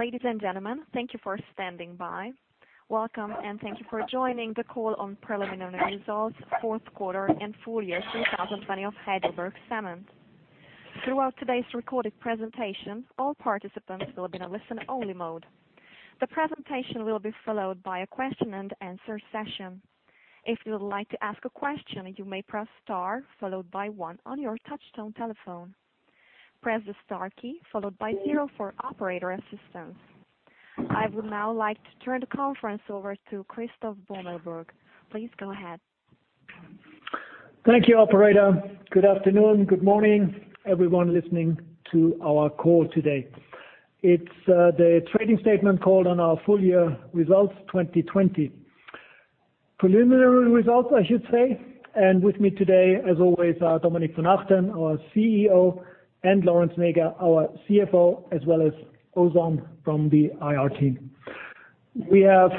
Ladies and gentlemen, thank you for standing by. Welcome, and thank you for joining the call on Preliminary Results Fourth Quarter and Full Year 2020 of Heidelberg Cement. Throughout today's recorded presentation, all participants will be in a listen-only mode. The presentation will be followed by a question and answer session. If you would like to ask a question, you may press star, followed by one on your touchtone telephone. Press the star key followed by zero for operator assistance. I would now like to turn the conference over to Christoph Beumelburg. Please go ahead. Thank you, Operator. Good afternoon, good morning, everyone listening to our call today. It's the trading statement called on our full year results 2020. Preliminary results, I should say. With me today, as always, Dominik von Achten, our CEO, and Lorenz Näger, our CFO, as well as Ozan from the IR team. We have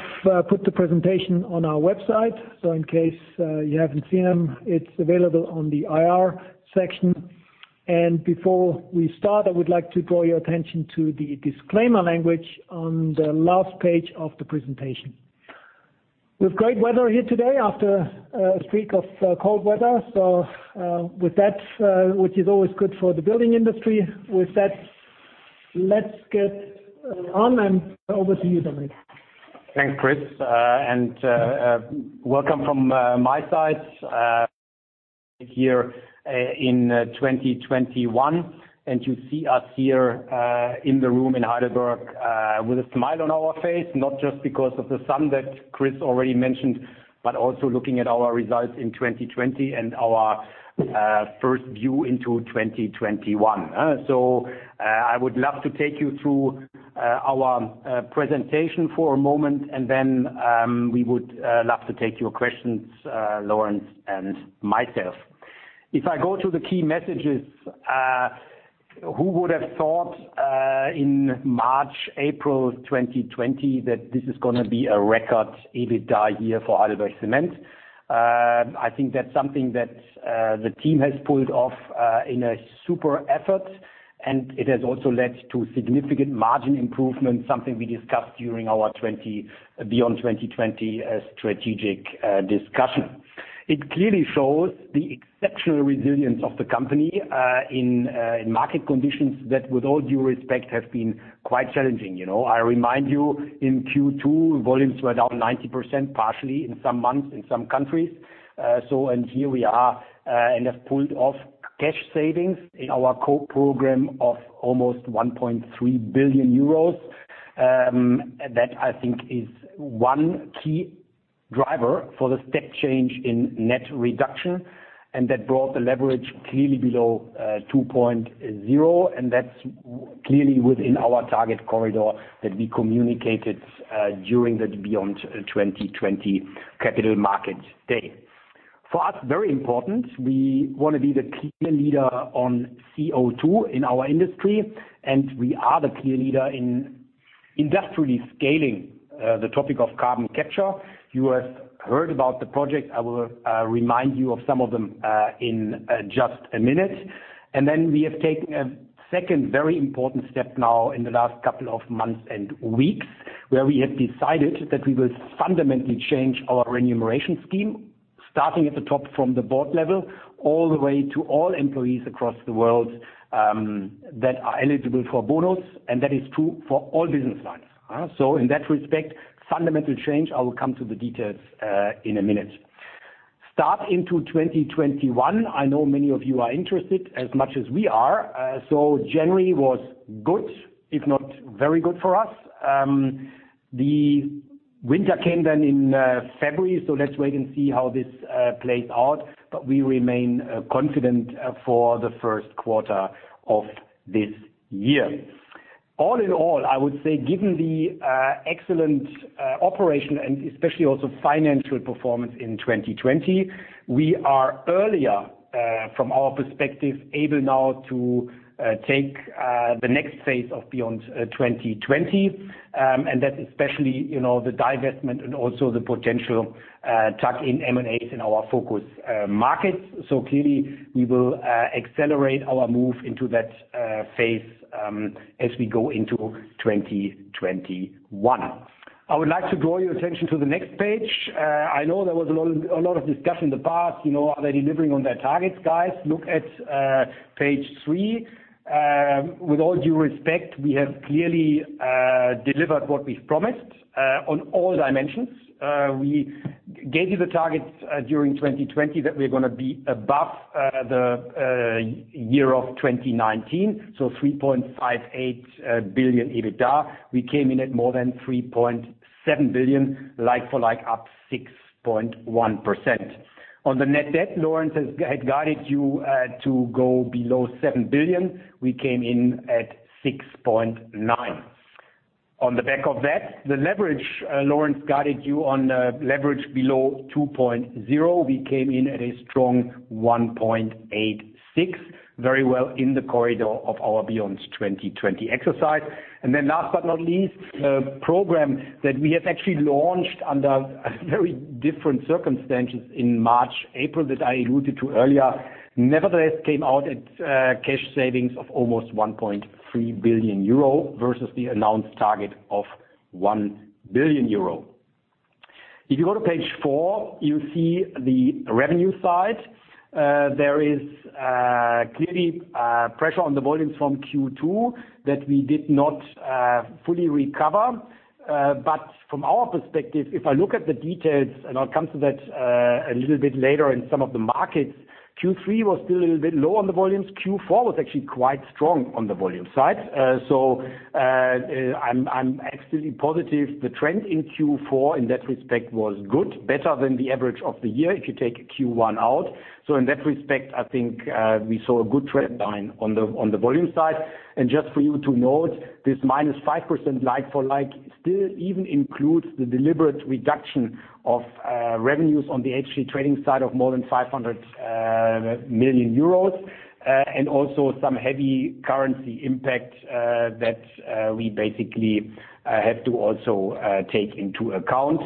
put the presentation on our website, so in case you haven't seen them, it's available on the IR section. Before we start, I would like to draw your attention to the disclaimer language on the last page of the presentation. We have great weather here today after a streak of cold weather, which is always good for the building industry. With that, let's get on, over to you, Dominik. Thanks, Chris, welcome from my side here in 2021. You see us here in the room in Heidelberg with a smile on our face, not just because of the sun that Chris already mentioned, but also looking at our results in 2020 and our first view into 2021. I would love to take you through our presentation for a moment, we would love to take your questions, Lorenz and myself. If I go to the key messages, who would have thought in March, April 2020 that this is going to be a record EBITDA year for Heidelberg Cement? I think that's something that the team has pulled off in a super effort, it has also led to significant margin improvement, something we discussed during our Beyond 2020 strategic discussion. It clearly shows the exceptional resilience of the company in market conditions that, with all due respect, have been quite challenging. I remind you, in Q2, volumes were down 90%, partially in some months, in some countries. Here we are, and have pulled off cash savings in our COPE program of almost 1.3 billion euros. That I think is one key driver for the step change in net reduction, and that brought the leverage clearly below 2.0, and that's clearly within our target corridor that we communicated during the Beyond 2020 capital markets day. For us, very important, we want to be the clear leader on CO2 in our industry, and we are the clear leader in industrially scaling the topic of carbon capture. You have heard about the project. I will remind you of some of them in just a minute. We have taken a second very important step now in the last couple of months and weeks, where we have decided that we will fundamentally change our remuneration scheme, starting at the top from the board level, all the way to all employees across the world that are eligible for bonus, and that is true for all business lines. In that respect, fundamental change, I will come to the details in a minute. Start into 2021. I know many of you are interested as much as we are. January was good, if not very good for us. The winter came then in February, so let's wait and see how this plays out, but we remain confident for the first quarter of this year. All in all, I would say given the excellent operation and especially also financial performance in 2020, we are earlier from our perspective, able now to take the next phase of Beyond 2020. That especially, the divestment and also the potential tuck-in M&As in our focus markets. Clearly we will accelerate our move into that phase as we go into 2021. I would like to draw your attention to the next page. I know there was a lot of discussion in the past. Are they delivering on their targets? Guys, look at page three. With all due respect, we have clearly delivered what we've promised on all dimensions. We gave you the targets during 2020 that we're going to be above the year of 2019, 3.58 billion EBITDA. We came in at more than 3.7 billion, like-for-like, up 6.1%. On the net debt, Lorenz had guided you to go below 7 billion. We came in at 6.9. On the back of that, the leverage, Lorenz guided you on the leverage below 2.0. We came in at a strong 1.86, very well in the corridor of our Beyond 2020 exercise. Last but not least program that we have actually launched under very different circumstances in March, April, that I alluded to earlier, nevertheless, came out at cash savings of almost 1.3 billion euro versus the announced target of 1 billion euro. If you go to page four, you see the revenue side. There is clearly pressure on the volumes from Q2 that we did not fully recover. From our perspective, if I look at the details, and I'll come to that a little bit later in some of the markets, Q3 was still a little bit low on the volumes. Q4 was actually quite strong on the volume side. I'm absolutely positive the trend in Q4 in that respect was good, better than the average of the year if you take Q1 out. In that respect, I think we saw a good trend line on the volume side. Just for you to note, this -5% like-for-like still even includes the deliberate reduction of revenues on the HC Trading side of more than 500 million euros, and also some heavy currency impact, that we basically have to also take into account.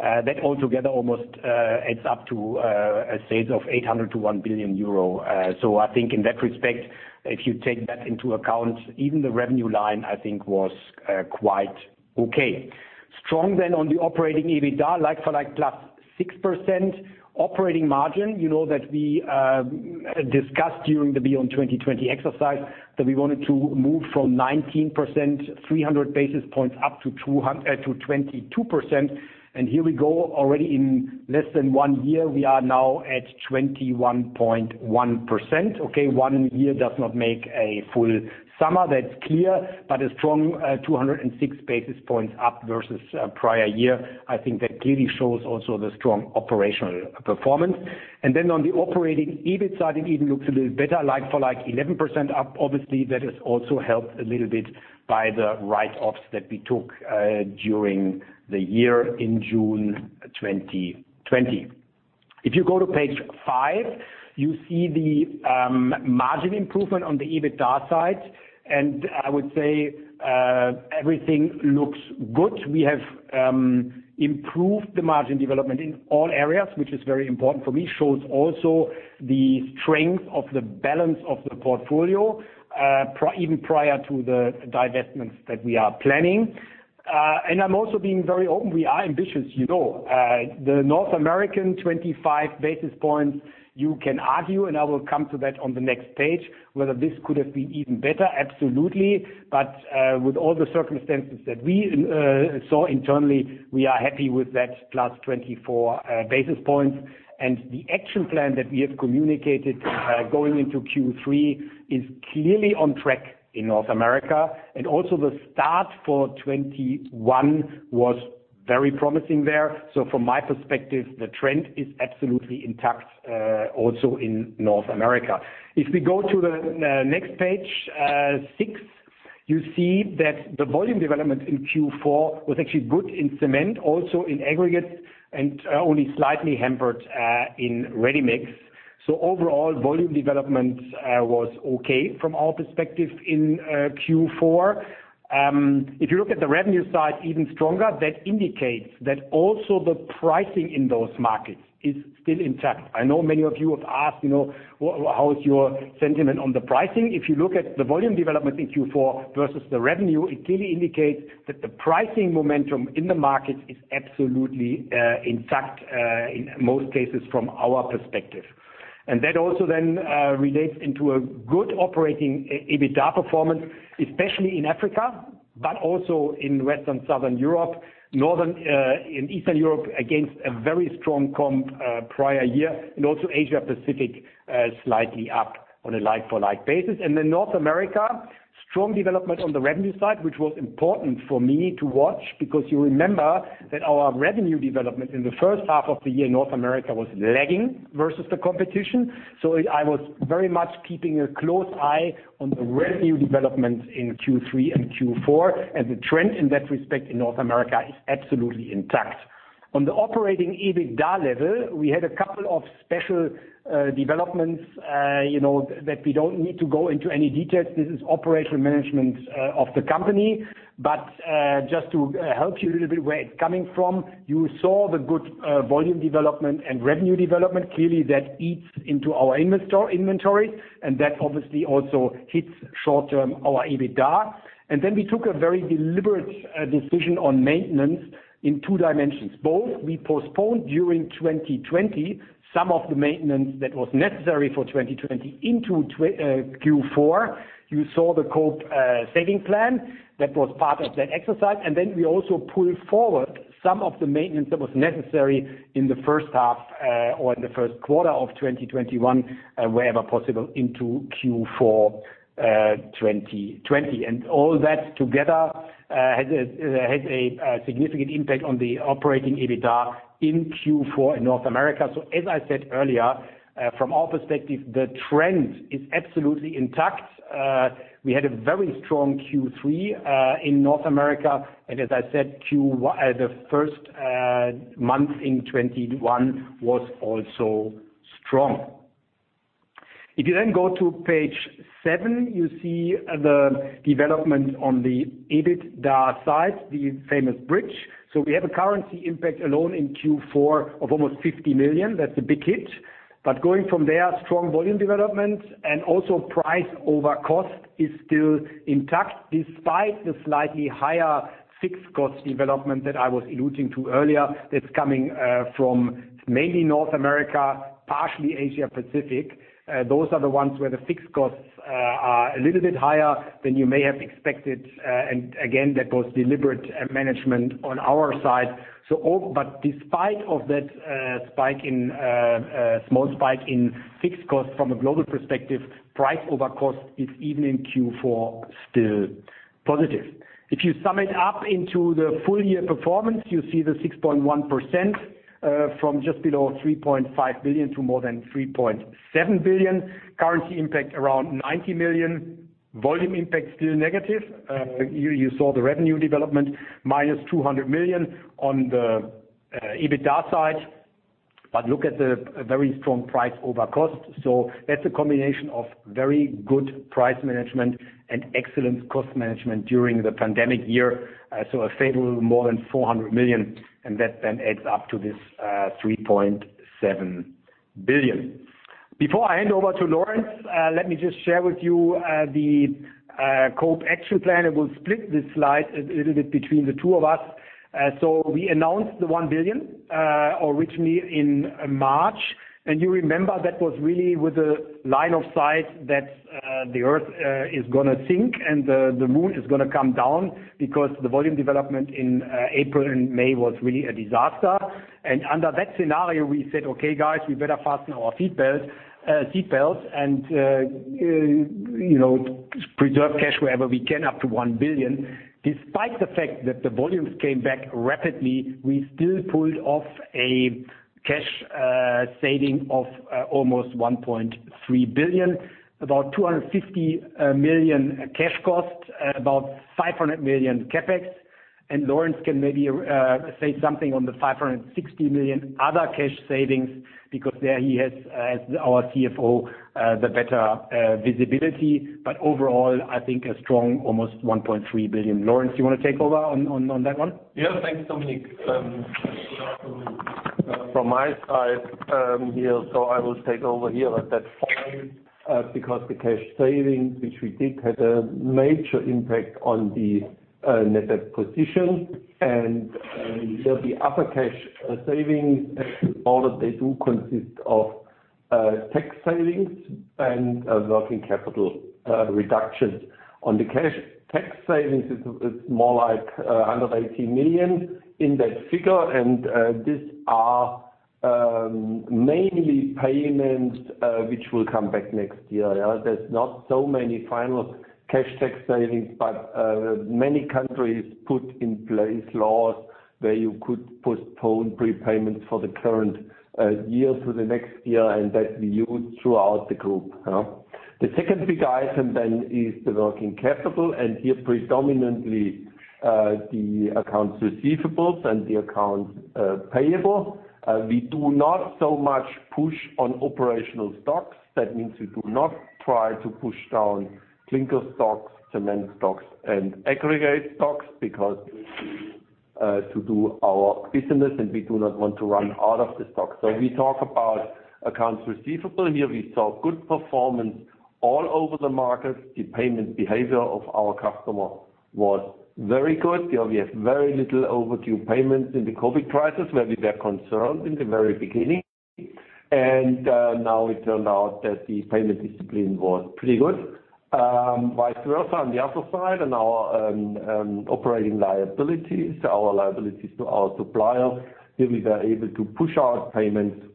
That altogether almost adds up to a save of 800 million-1 billion euro. I think in that respect, if you take that into account, even the revenue line, I think was quite okay. On the operating EBITDA, like-for-like, plus 6% operating margin. You know that we discussed during the Beyond 2020 exercise that we wanted to move from 19%, 300 basis points up to 22%. Here we go. Already in less than one year, we are now at 21.1%. Okay, one year does not make a full summer, that's clear. A strong 206 basis points up versus prior year, I think that clearly shows also the strong operational performance. On the operating EBIT side, it even looks a little better, like-for-like 11% up. Obviously, that has also helped a little bit by the write-offs that we took during the year in June 2020. If you go to page five, you see the margin improvement on the EBITDA side, and I would say everything looks good. We have improved the margin development in all areas, which is very important for me. Shows also the strength of the balance of the portfolio, even prior to the divestments that we are planning. I'm also being very open. We are ambitious. The North American 25 basis points, you can argue, and I will come to that on the next page, whether this could have been even better, absolutely. With all the circumstances that we saw internally, we are happy with that plus 24 basis points. The action plan that we have communicated going into Q3 is clearly on track in North America. Also the start for 2021 was very promising there. From my perspective, the trend is absolutely intact, also in North America. If we go to the next page six, you see that the volume development in Q4 was actually good in cement, also in aggregate, and only slightly hampered in ready-mix. Overall, volume development was okay from our perspective in Q4. If you look at the revenue side even stronger, that indicates that also the pricing in those markets is still intact. I know many of you have asked, well, how is your sentiment on the pricing? If you look at the volume development in Q4 versus the revenue, it clearly indicates that the pricing momentum in the market is absolutely intact, in most cases, from our perspective. That also then relates into a good operating EBITDA performance, especially in Africa, but also in Western Southern Europe, in Eastern Europe, against a very strong comp prior year, and also Asia Pacific, slightly up on a like-for-like basis. North America, strong development on the revenue side, which was important for me to watch because you remember that our revenue development in the first half of the year in North America was lagging versus the competition. I was very much keeping a close eye on the revenue development in Q3 and Q4, and the trend in that respect in North America is absolutely intact. On the operating EBITDA level, we had a couple of special developments that we don't need to go into any details. This is operational management of the company. Just to help you a little bit where it's coming from, you saw the good volume development and revenue development. Clearly that eats into our inventory, and that obviously also hits short-term our EBITDA. We took a very deliberate decision on maintenance in two dimensions. Both we postponed during 2020 some of the maintenance that was necessary for 2020 into Q4. You saw the COPE saving plan. That was part of that exercise. We also pulled forward some of the maintenance that was necessary in the first half or in the first quarter of 2021, wherever possible into Q4 2020. All that together has a significant impact on the operating EBITDA in Q4 in North America. As I said earlier, from our perspective, the trend is absolutely intact. We had a very strong Q3 in North America, and as I said, the first month in 2021 was also strong. If you go to page seven, you see the development on the EBITDA side, the famous bridge. We have a currency impact alone in Q4 of almost 50 million. That's a big hit. Going from there, strong volume development and also price over cost is still intact, despite the slightly higher fixed cost development that I was alluding to earlier. That's coming from mainly North America, partially Asia Pacific. Those are the ones where the fixed costs are a little bit higher than you may have expected. Again, that was deliberate management on our side. Despite of that small spike in fixed costs from a global perspective, price over cost is even in Q4 still positive. If you sum it up into the full year performance, you see the 6.1% from just below 3.5 billion to more than 3.7 billion. Currency impact around 90 million. Volume impact still negative. You saw the revenue development minus 200 million on the EBITDA side. Look at the very strong price over cost. That's a combination of very good price management and excellent cost management during the pandemic year. A favorable more than 400 million, and that then adds up to this 3.7 billion. Before I hand over to Lorenz, let me just share with you the COPE action plan, and we'll split this slide a little bit between the two of us. We announced the 1 billion originally in March. You remember that was really with a line of sight that the Earth is going to sink and the moon is going to come down because the volume development in April and May was really a disaster. Under that scenario, we said, "Okay, guys, we better fasten our seat belts and preserve cash wherever we can, up to 1 billion." Despite the fact that the volumes came back rapidly, we still pulled off a cash saving of almost 1.3 billion, about 250 million cash cost, about 500 million CapEx. Lorenz can maybe say something on the 560 million other cash savings, because there he has, as our CFO, the better visibility. Overall, I think a strong almost 1.3 billion. Lorenz, you want to take over on that one? Thanks, Dominik. Good afternoon from my side here. I will take over here at that point, because the cash savings, which we did, had a major impact on the net debt position, and the other cash savings, all of they do consist of tax savings and working capital reductions. On the cash tax savings, it's more like 118 million in that figure. These are mainly payments which will come back next year. There's not so many final cash tax savings, many countries put in place laws where you could postpone prepayments for the current year to the next year, and that we used throughout the group. The second big item then is the working capital, and here predominantly the accounts receivables and the accounts payable. We do not so much push on operational stocks. That means we do not try to push down clinker stocks, cement stocks, and aggregate stocks because to do our business, and we do not want to run out of the stock. We talk about accounts receivable here. We saw good performance all over the market. The payment behavior of our customer was very good. We have very little overdue payments in the COVID crisis, where we were concerned in the very beginning, and now it turned out that the payment discipline was pretty good. Vice versa, on the other side, on our operating liabilities, our liabilities to our suppliers, here we were able to push out payments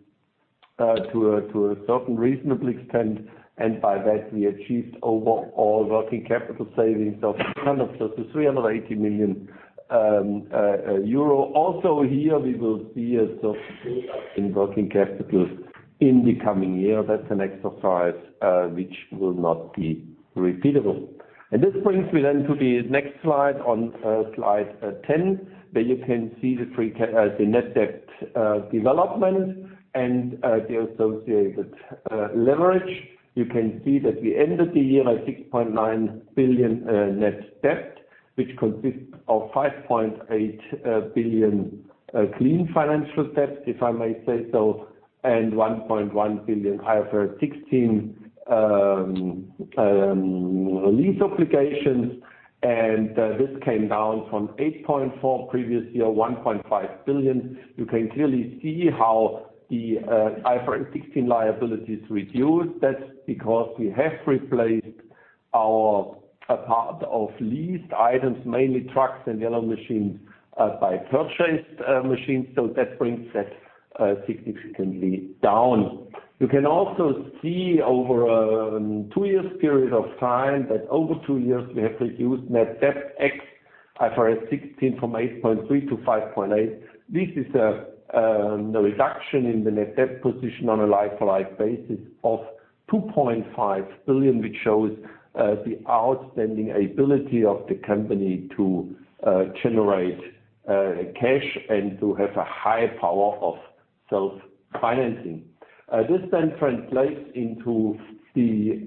to a certain reasonable extent, and by that we achieved overall working capital savings of 380 million euro. Also here we will see a sort of build-up in working capital in the coming year. That's an exercise which will not be repeatable. This brings me then to the next slide, on slide 10, where you can see the net debt development and the associated leverage. You can see that we ended the year at 6.9 billion net debt, which consists of 5.8 billion clean financial debt, if I may say so, and 1.1 billion IFRS 16 lease obligations, and this came down from 8.4 billion previous year, 1.5 billion. You can clearly see how the IFRS 16 liability is reduced. That's because we have replaced our part of leased items, mainly trucks and yellow machines, by purchased machines. That brings that significantly down. You can also see over a two years period of time, that over two years, we have reduced net debt ex IFRS 16 from 8.3 billion-5.8 billion. This is a reduction in the net debt position on a like-to-like basis of 2.5 billion, which shows the outstanding ability of the company to generate cash and to have a high power of self-financing. This translates into the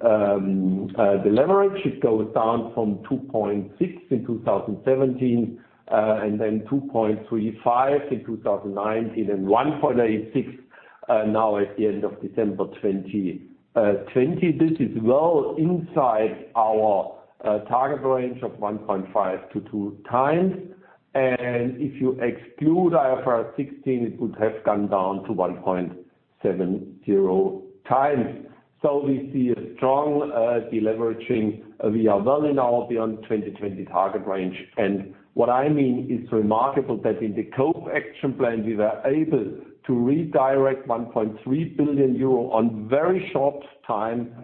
leverage. It goes down from 2.6 in 2017, 2.35 in 2019, 1.86 now at the end of December 2020. This is well inside our target range of 1.5-2x. If you exclude IFRS 16, it would have gone down to 1.70x. We see a strong deleveraging. We are well in our Beyond 2020 target range. What I mean, it's remarkable that in the COVID action plan, we were able to redirect 1.3 billion euro on very short time,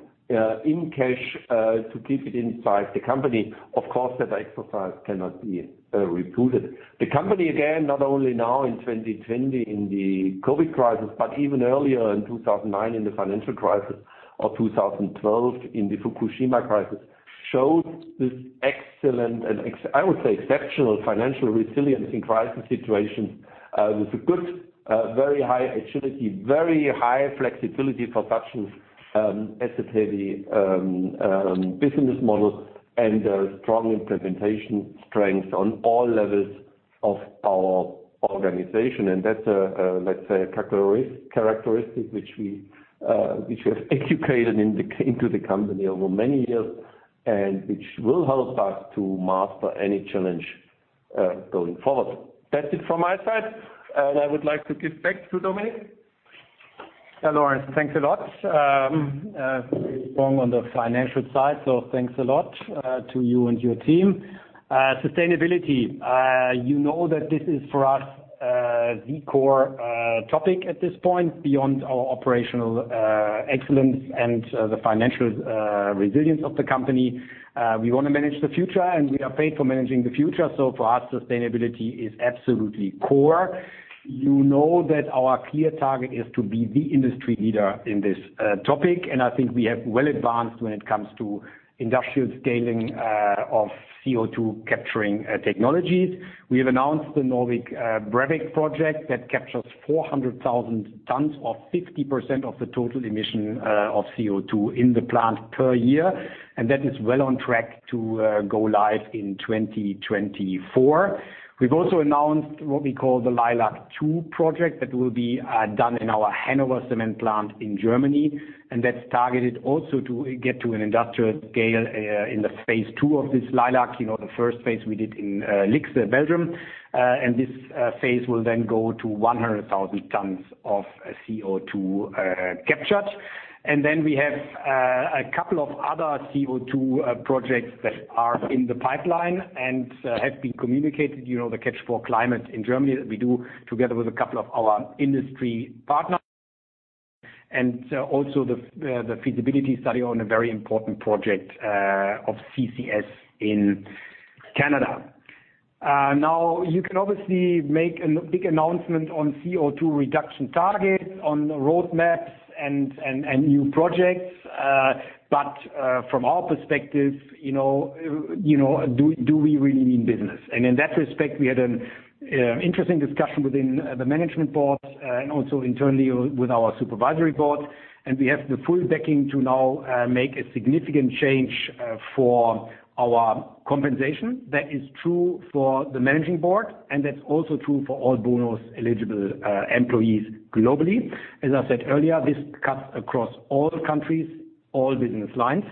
in cash, to keep it inside the company. Of course, that exercise cannot be repeated. The company, again, not only now in 2020 in the COVID crisis, but even earlier in 2009 in the financial crisis, or 2012 in the Fukushima crisis, shows this excellent and, I would say, exceptional financial resilience in crisis situations, with a good, very high agility, very high flexibility for such asset-heavy business models, and a strong implementation strength on all levels of our organization. That's a, let's say, characteristic which we have educated into the company over many years and which will help us to master any challenge going forward. That's it from my side, and I would like to give back to Dominik. Lorenz, thanks a lot. Very strong on the financial side, so thanks a lot to you and your team. Sustainability. You know that this is, for us, the core topic at this point, beyond our operational excellence and the financial resilience of the company. We want to manage the future, and we are paid for managing the future. For us, sustainability is absolutely core. You know that our clear target is to be the industry leader in this topic, and I think we have well advanced when it comes to industrial scaling of CO2-capturing technologies. We have announced the Norcem Brevik project that captures 400,000 tons, or 50% of the total emission of CO2 in the plant per year, and that is well on track to go live in 2024. We've also announced what we call the LEILAC-2 project that will be done in our Hannover cement plant in Germany, and that's targeted also to get to an industrial scale in the phase II of this LEILAC. The first phase we did in Lixhe, Belgium. This phase will then go to 100,000 tons of CO2 captured. Then we have a couple of other CO2 projects that are in the pipeline and have been communicated. The Catch4Climate in Germany that we do together with a couple of our industry partners. Also the feasibility study on a very important project of CCS in Canada. Now, you can obviously make a big announcement on CO2 reduction targets, on roadmaps and new projects. From our perspective, do we really mean business? In that respect, we had an interesting discussion within the Management Board, and also internally with our Supervisory Board, and we have the full backing to now make a significant change for our compensation. That is true for the Managing Board, and that's also true for all bonus-eligible employees globally. As I said earlier, this cuts across all countries, all business lines.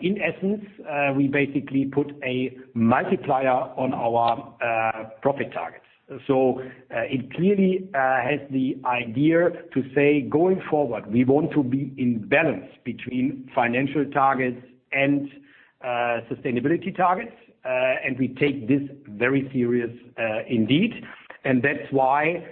In essence, we basically put a multiplier on our profit targets. It clearly has the idea to say, going forward, we want to be in balance between financial targets and sustainability targets. We take this very serious indeed. That's why,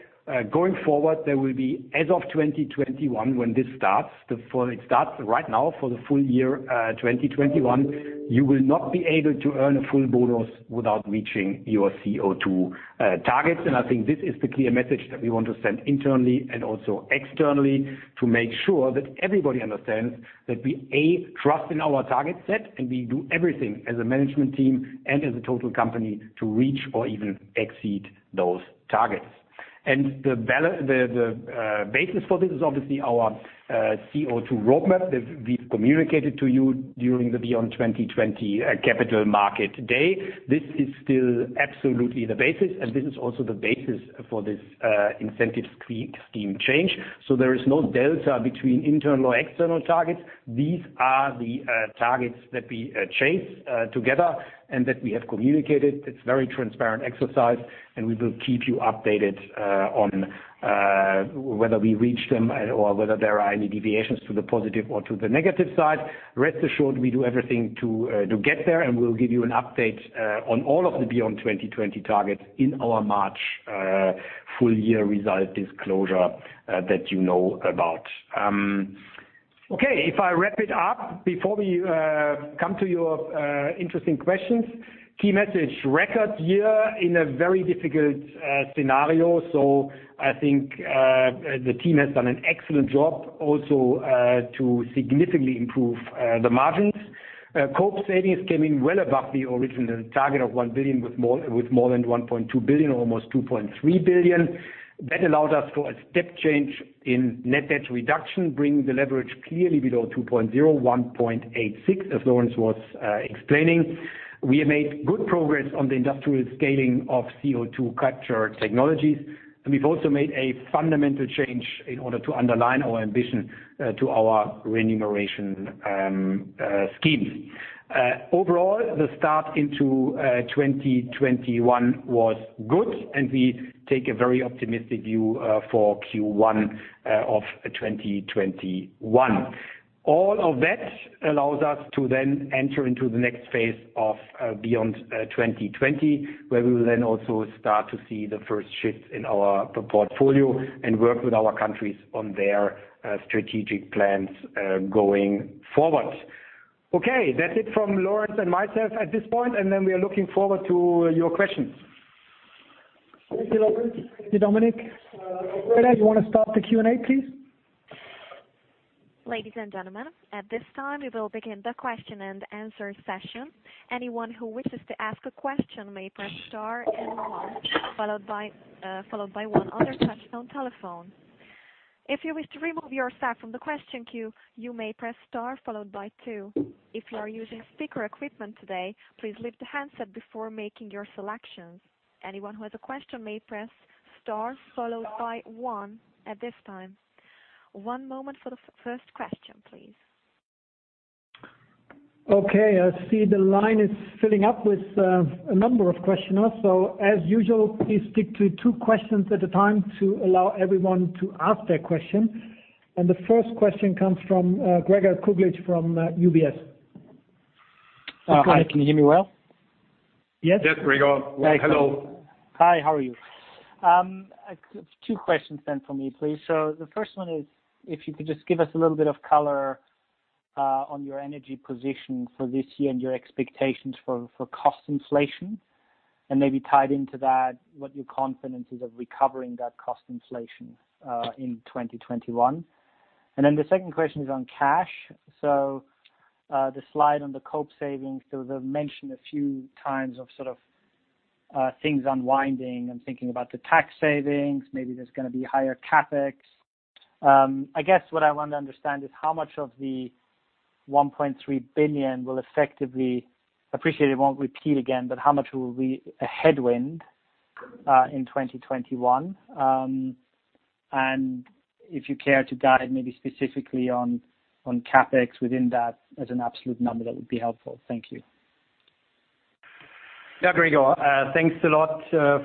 going forward, there will be, as of 2021, when this starts, it starts right now for the full year 2021, you will not be able to earn a full bonus without reaching your CO2 targets. I think this is the clear message that we want to send internally and also externally to make sure that everybody understands that we, A, trust in our target set and we do everything as a management team and as a total company to reach or even exceed those targets. The basis for this is obviously our CO2 roadmap that we've communicated to you during the Beyond 2020 Capital Market Day. This is still absolutely the basis, and this is also the basis for this incentive scheme change. There is no delta between internal or external targets. These are the targets that we chase together and that we have communicated. It's very transparent exercise, and we will keep you updated on whether we reach them or whether there are any deviations to the positive or to the negative side. Rest assured, we do everything to get there, and we'll give you an update on all of the Beyond 2020 targets in our March full-year result disclosure that you know about. Okay, if I wrap it up before we come to your interesting questions. Key message, record year in a very difficult scenario. I think the team has done an excellent job also to significantly improve the margins. COPE savings came in well above the original target of 1 billion, with more than 1.2 billion, almost 2.3 billion. That allowed us for a step change in net debt reduction, bringing the leverage clearly below 2.0, 1.86, as Lorenz was explaining. We have made good progress on the industrial scaling of CO2 capture technologies, and we've also made a fundamental change in order to underline our ambition to our remuneration schemes. Overall, the start into 2021 was good, and we take a very optimistic view for Q1 of 2021. All of that allows us to then enter into the next phase of Beyond 2020, where we will then also start to see the first shifts in our portfolio and work with our countries on their strategic plans going forward. Okay. That's it from Lorenz and myself at this point, and then we are looking forward to your questions. Thank you, Lorenz. Thank you, Dominik. Ophelia, you want to start the Q&A, please? Ladies and gentlemen, at this time, we will begin the question and answer session. Anyone who wishes to ask a question may press star and one, followed by one on their touch-tone telephone. If you wish to remove yourself from the question queue, you may press star followed by two. If you are using speaker equipment today, please lift the handset before making your selections. Anyone who has a question may press star followed by one at this time. One moment for the first question, please. Okay, I see the line is filling up with a number of questioners. As usual, please stick to two questions at a time to allow everyone to ask their question. The first question comes from Gregor Kuglitsch from UBS. Go ahead. Hi, can you hear me well? Yes, Gregor. Hello. Hi. How are you? Two questions from me, please. The first one is, if you could just give us a little bit of color on your energy position for this year and your expectations for cost inflation, and maybe tied into that, what your confidence is of recovering that cost inflation in 2021. The second question is on cash. The slide on the COPE savings, they've mentioned a few times of things unwinding. I'm thinking about the tax savings. Maybe there's going to be higher CapEx. I guess what I want to understand is how much of the 1.3 billion will effectively, appreciate it won't repeat again, but how much will be a headwind in 2021? If you care to guide maybe specifically on CapEx within that as an absolute number, that would be helpful. Thank you. Yeah, Gregor, thanks a lot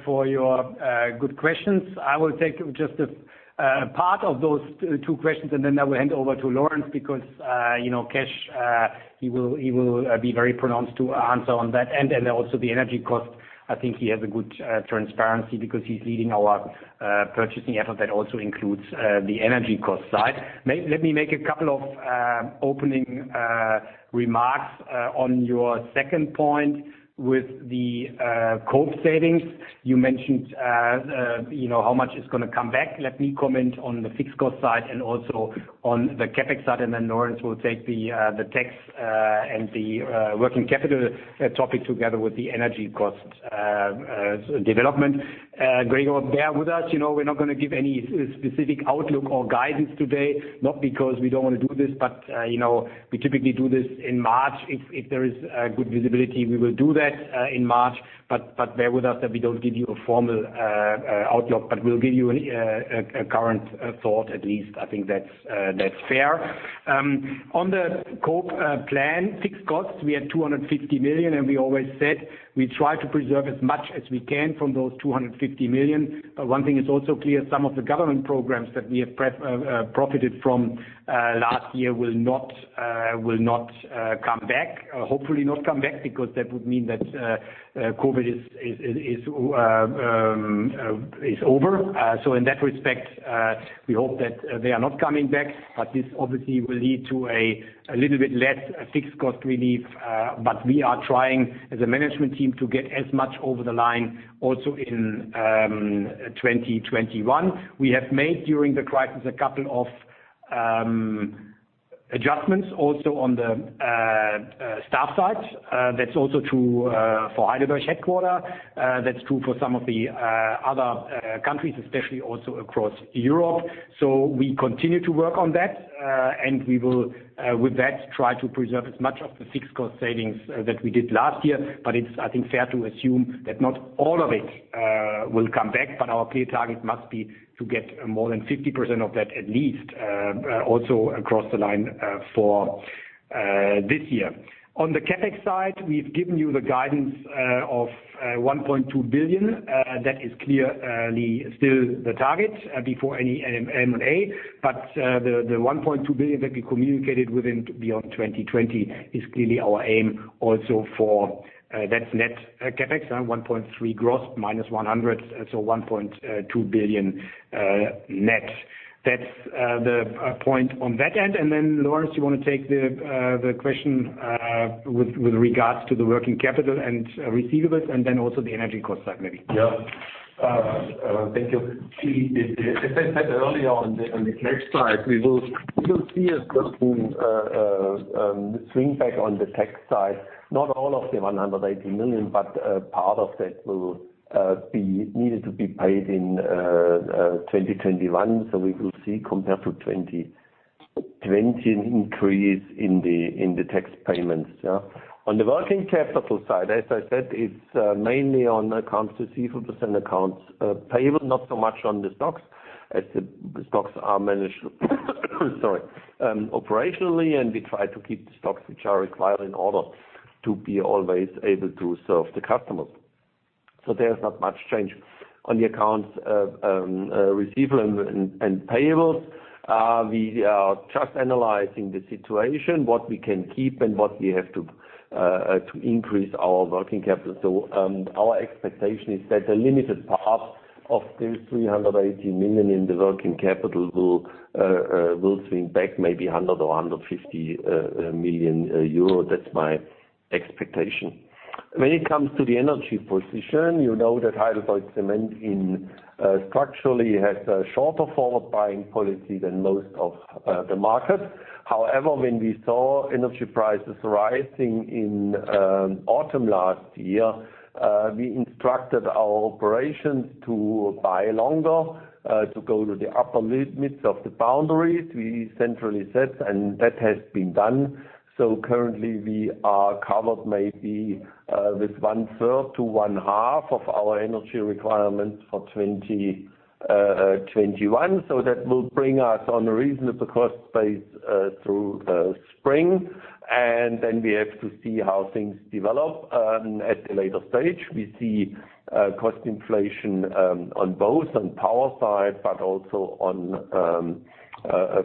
for your good questions. I will take just a part of those two questions, then I will hand over to Lorenz because he will be very pronounced to answer on that. Also the energy cost. I think he has a good transparency because he's leading our purchasing effort that also includes the energy cost side. Let me make a couple of opening remarks on your second point with the COPE savings. You mentioned how much is going to come back. Let me comment on the fixed cost side and also on the CapEx side, Lorenz will take the tax and the working capital topic together with the energy cost development. Gregor, bear with us. We're not going to give any specific outlook or guidance today, not because we don't want to do this, but we typically do this in March. If there is good visibility, we will do that in March. Bear with us that we don't give you a formal outlook, but we'll give you a current thought at least. I think that's fair. On the COPE plan fixed costs, we had 250 million. We always said we try to preserve as much as we can from those 250 million. One thing is also clear, some of the government programs that we have profited from last year will not come back, hopefully not come back, because that would mean that COVID is over. In that respect, we hope that they are not coming back. This obviously will lead to a little bit less fixed cost relief. We are trying as a management team to get as much over the line also in 2021. We have made during the crisis a couple of adjustments also on the staff side. That's also true for Heidelberg headquarter. That's true for some of the other countries, especially also across Europe. We continue to work on that, and we will, with that, try to preserve as much of the fixed cost savings that we did last year. It's, I think, fair to assume that not all of it will come back, but our clear target must be to get more than 50% of that at least, also across the line for this year. On the CapEx side, we've given you the guidance of 1.2 billion. That is clearly still the target before any M&A, but the 1.2 billion that we communicated within Beyond 2020 is clearly our aim also for, that's net CapEx, 1.3 gross minus 100, so 1.2 billion net. That's the point on that end. Then Lorenz, you want to take the question with regards to the working capital and receivables, and then also the energy cost side maybe? Thank you. As I said earlier on the cash side, we will see a certain swing back on the tax side, not all of the 180 million, but part of that will be needed to be paid in 2021. We will see, compared to 2020, an increase in the tax payments. On the working capital side, as I said, it is mainly on accounts receivable and accounts payable, not so much on the stocks, as the stocks are managed operationally, and we try to keep the stocks which are required in order to be always able to serve the customers. There is not much change. On the accounts receivable and payables, we are just analyzing the situation, what we can keep and what we have to increase our working capital. Our expectation is that a limited part of those 380 million in the working capital will swing back maybe 100 million or 150 million euro. That's my expectation. When it comes to the energy position, you know that Heidelberg Cement structurally has a shorter forward buying policy than most of the market. When we saw energy prices rising in autumn last year, we instructed our operations to buy longer, to go to the upper limits of the boundaries we centrally set, and that has been done. Currently we are covered maybe with 1/3-1/2 of our energy requirements for 2021. That will bring us on a reasonable cost base through the spring, then we have to see how things develop at a later stage. We see cost inflation on both, on power side, but also on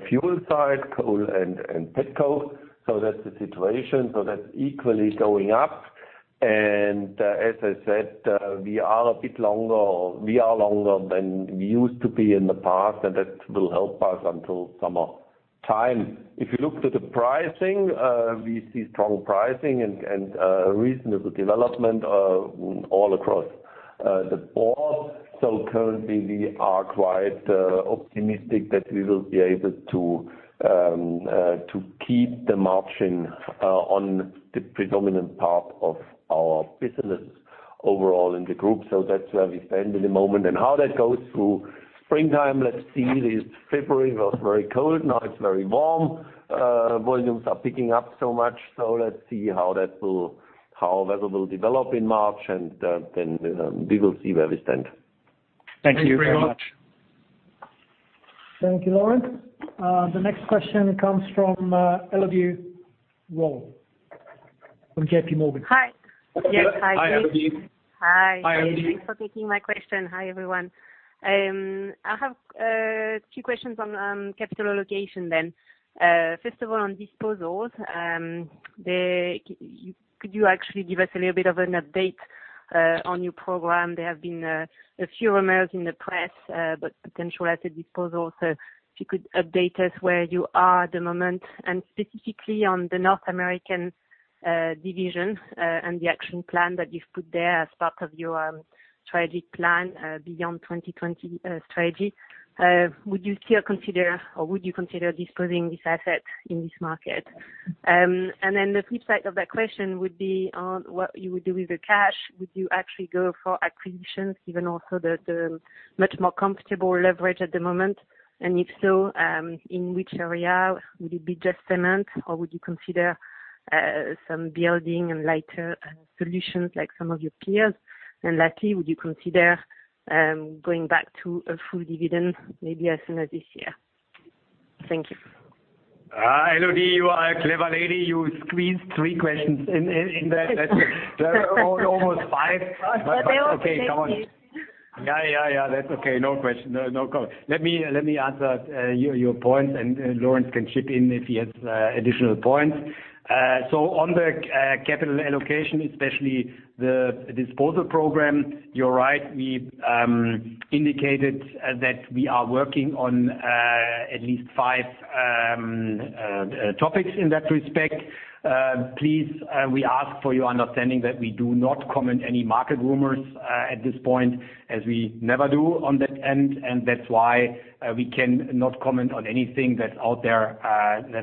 fuel side, coal and petcoke. That's the situation. That's equally going up. As I said, we are a bit longer. We are longer than we used to be in the past, and that will help us until summertime. If you look to the pricing, we see strong pricing and reasonable development all across the board. Currently we are quite optimistic that we will be able to keep the margin on the predominant part of our business overall in the group. That's where we stand at the moment. How that goes through springtime, let's see. This February was very cold, now it's very warm. Volumes are picking up so much. Let's see how weather will develop in March, and then we will see where we stand. Thank you very much. Thank you, Lorenz. The next question comes from Elodie Rall from JPMorgan. Hi. Hi, Elodie. Hi. Hi, Elodie. Thanks for taking my question. Hi, everyone. I have a few questions on capital allocation then. First of all, on disposals, could you actually give us a little bit of an update on your program? There have been a few rumors in the press about potential asset disposals. If you could update us where you are at the moment, and specifically on the North American division and the action plan that you've put there as part of your strategy plan, Beyond 2020 strategy. Would you still consider, or would you consider disposing this asset in this market? The flip side of that question would be on what you would do with the cash. Would you actually go for acquisitions, given also the much more comfortable leverage at the moment? If so, in which area? Would it be just cement, or would you consider some building and lighter solutions like some of your peers? Lastly, would you consider going back to a full dividend, maybe as soon as this year? Thank you. Elodie, you are a clever lady. You squeezed three questions in there. There are almost five. They are related. Okay. Come on. Yeah. That's okay. No question. No, problem. Let me answer your points. Lorenz can chip in if he has additional points. On the capital allocation, especially the disposal program, you are right. We indicated that we are working on at least five topics in that respect. Please, we ask for your understanding that we do not comment any market rumors at this point, as we never do on that end. That's why we cannot comment on anything that's out there.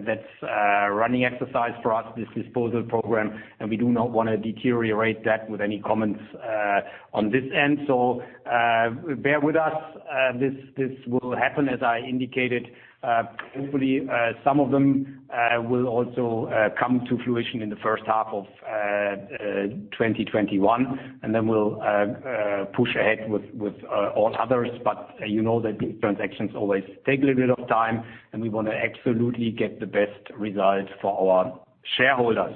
That's a running exercise for us, this disposal program. We do not want to deteriorate that with any comments on this end. Bear with us. This will happen, as I indicated. Hopefully, some of them will also come to fruition in the first half of 2021. Then we'll push ahead with all others. You know that big transactions always take a little bit of time, and we want to absolutely get the best result for our shareholders.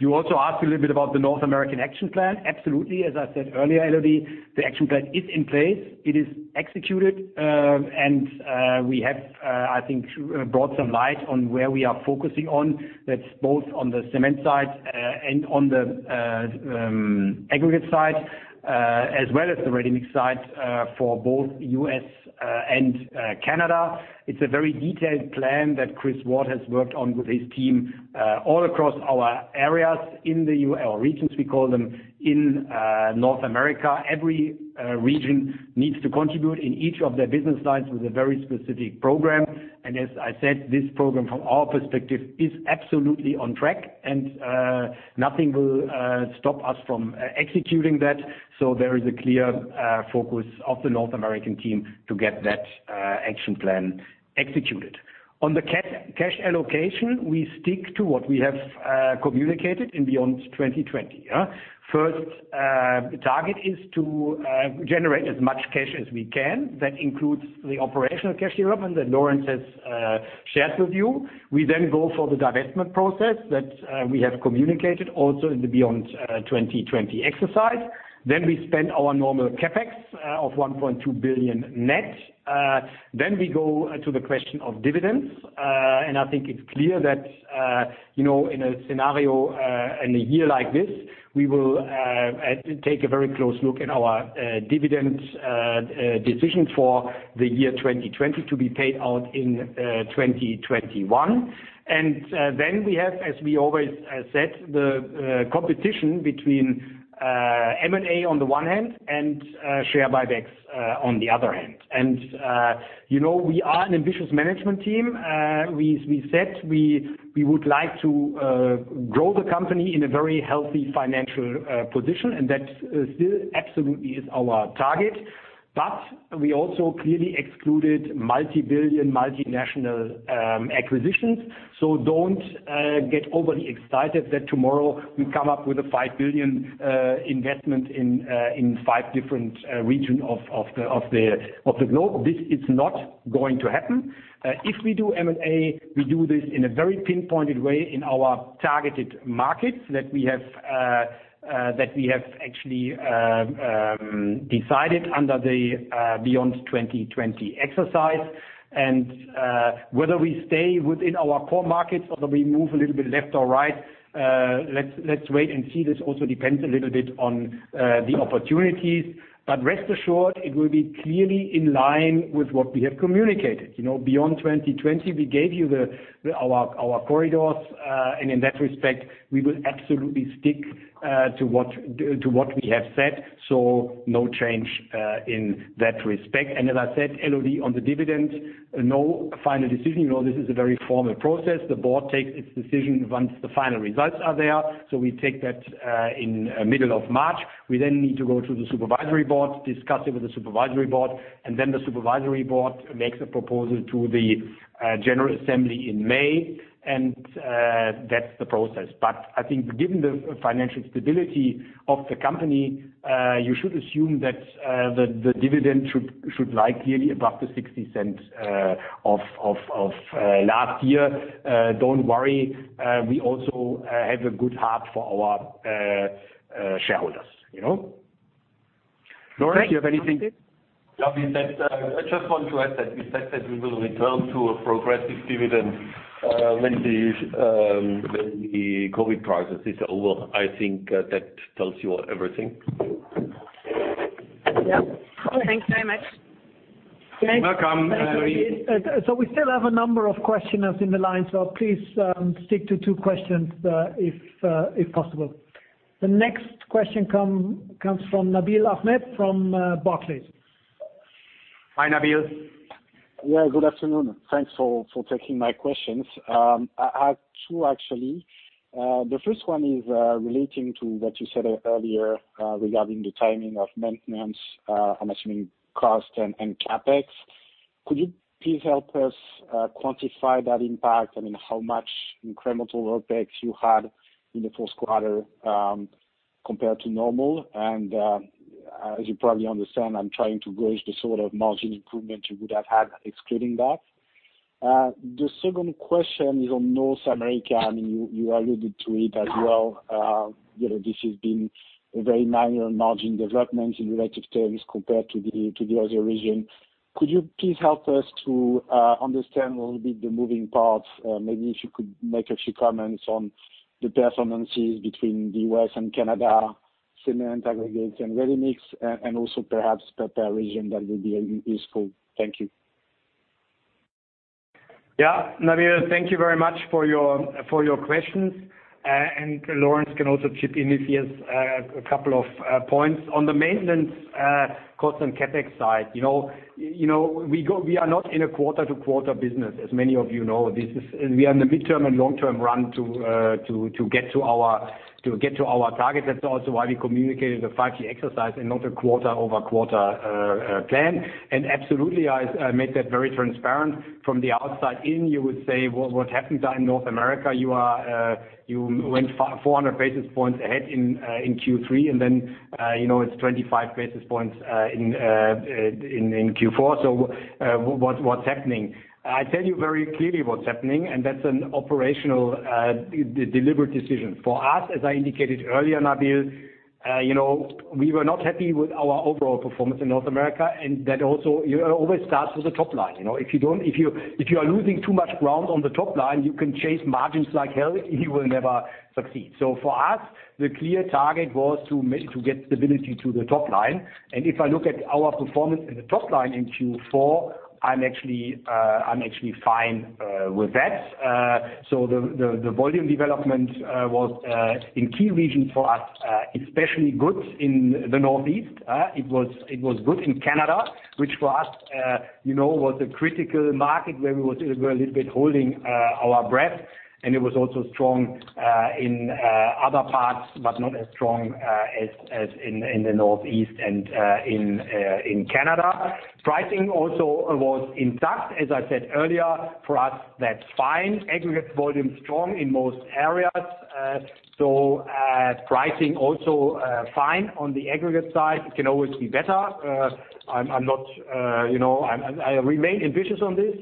You also asked a little bit about the North American action plan. Absolutely. As I said earlier, Elodie, the action plan is in place. It is executed. We have, I think, brought some light on where we are focusing on. That's both on the cement side. On the aggregate side, as well as the ready-mix side for both U.S. and Canada. It's a very detailed plan that Chris Ward has worked on with his team all across our areas in the U.S., our regions we call them, in North America. Every region needs to contribute in each of their business lines with a very specific program. As I said, this program from our perspective is absolutely on track, and nothing will stop us from executing that. There is a clear focus of the North American team to get that action plan executed. On the cash allocation, we stick to what we have communicated in Beyond 2020. First target is to generate as much cash as we can. That includes the operational cash development that Lorenz has shared with you. We go for the divestment process that we have communicated also in the Beyond 2020 exercise. We spend our normal CapEx of 1.2 billion net. We go to the question of dividends. I think it's clear that in a scenario, in a year like this, we will take a very close look at our dividend decision for the year 2020 to be paid out in 2021. We have, as we always said, the competition between M&A on the one hand, and share buybacks on the other hand. We are an ambitious management team. As we said, we would like to grow the company in a very healthy financial position, and that still absolutely is our target. We also clearly excluded multi-billion, multinational acquisitions. Don't get overly excited that tomorrow we come up with a 5 billion investment in five different regions of the globe. This is not going to happen. If we do M&A, we do this in a very pinpointed way in our targeted markets that we have actually decided under the Beyond 2020 exercise. Whether we stay within our core markets or whether we move a little bit left or right, let's wait and see. This also depends a little bit on the opportunities, but rest assured, it will be clearly in line with what we have communicated. Beyond 2020, we gave you our corridors, and in that respect, we will absolutely stick to what we have said. No change in that respect. As I said, Elodie on the dividend, no final decision. This is a very formal process. The board takes its decision once the final results are there. We take that in middle of March. We then need to go to the supervisory board, discuss it with the supervisory board, and then the supervisory board makes a proposal to the general assembly in May, and that's the process. I think given the financial stability of the company, you should assume that the dividend should lie clearly above 0.60 of last year. Don't worry, we also have a good heart for our shareholders. Lorenz, do you have anything? I just want to add that we said that we will return to a progressive dividend when the COVID crisis is over. I think that tells you everything. Thanks very much. You're welcome. We still have a number of questioners in the line, so please stick to two questions if possible. The next question comes from Nabil Ahmed from Barclays. Hi, Nabil. Good afternoon. Thanks for taking my questions. I have two, actually. The first one is relating to what you said earlier regarding the timing of maintenance, I'm assuming cost and CapEx. Could you please help us quantify that impact? How much incremental OpEx you had in the fourth quarter compared to normal? As you probably understand, I'm trying to gauge the sort of margin improvement you would have had excluding that. The second question is on North America. You alluded to it as well. This has been a very minor margin development in relative terms compared to the other region. Could you please help us to understand a little bit the moving parts? Maybe if you could make a few comments on the performances between the U.S. and Canada, Cement, Aggregates, and Ready Mix, and also perhaps per region, that would be useful. Thank you. Yeah. Nabil, thank you very much for your questions. Lorenz can also chip in if he has a couple of points. On the maintenance cost and CapEx side. We are not in a quarter-to-quarter business, as many of you know. We are in the midterm and long-term run to get to our targets. That's also why we communicated the 5G exercise and not a quarter-over-quarter plan. Absolutely, I made that very transparent. From the outside-in, you would say, "Well, what happened in North America? You went 400 basis points ahead in Q3, and then it's 25 basis points in Q4. What's happening?" I tell you very clearly what's happening, and that's an operational deliberate decision. For us, as I indicated earlier, Nabil, we were not happy with our overall performance in North America, and that also always starts with the top line. If you are losing too much ground on the top line, you can chase margins like hell, you will never succeed. For us, the clear target was to get stability to the top line. If I look at our performance in the top line in Q4, I'm actually fine with that. The volume development was in key regions for us, especially good in the Northeast. It was good in Canada, which for us was a critical market where we were a little bit holding our breath, and it was also strong in other parts, but not as strong as in the Northeast and in Canada. Pricing also was intact, as I said earlier, for us, that's fine. Aggregate volume strong in most areas. Pricing also fine on the aggregate side. It can always be better. I remain ambitious on this.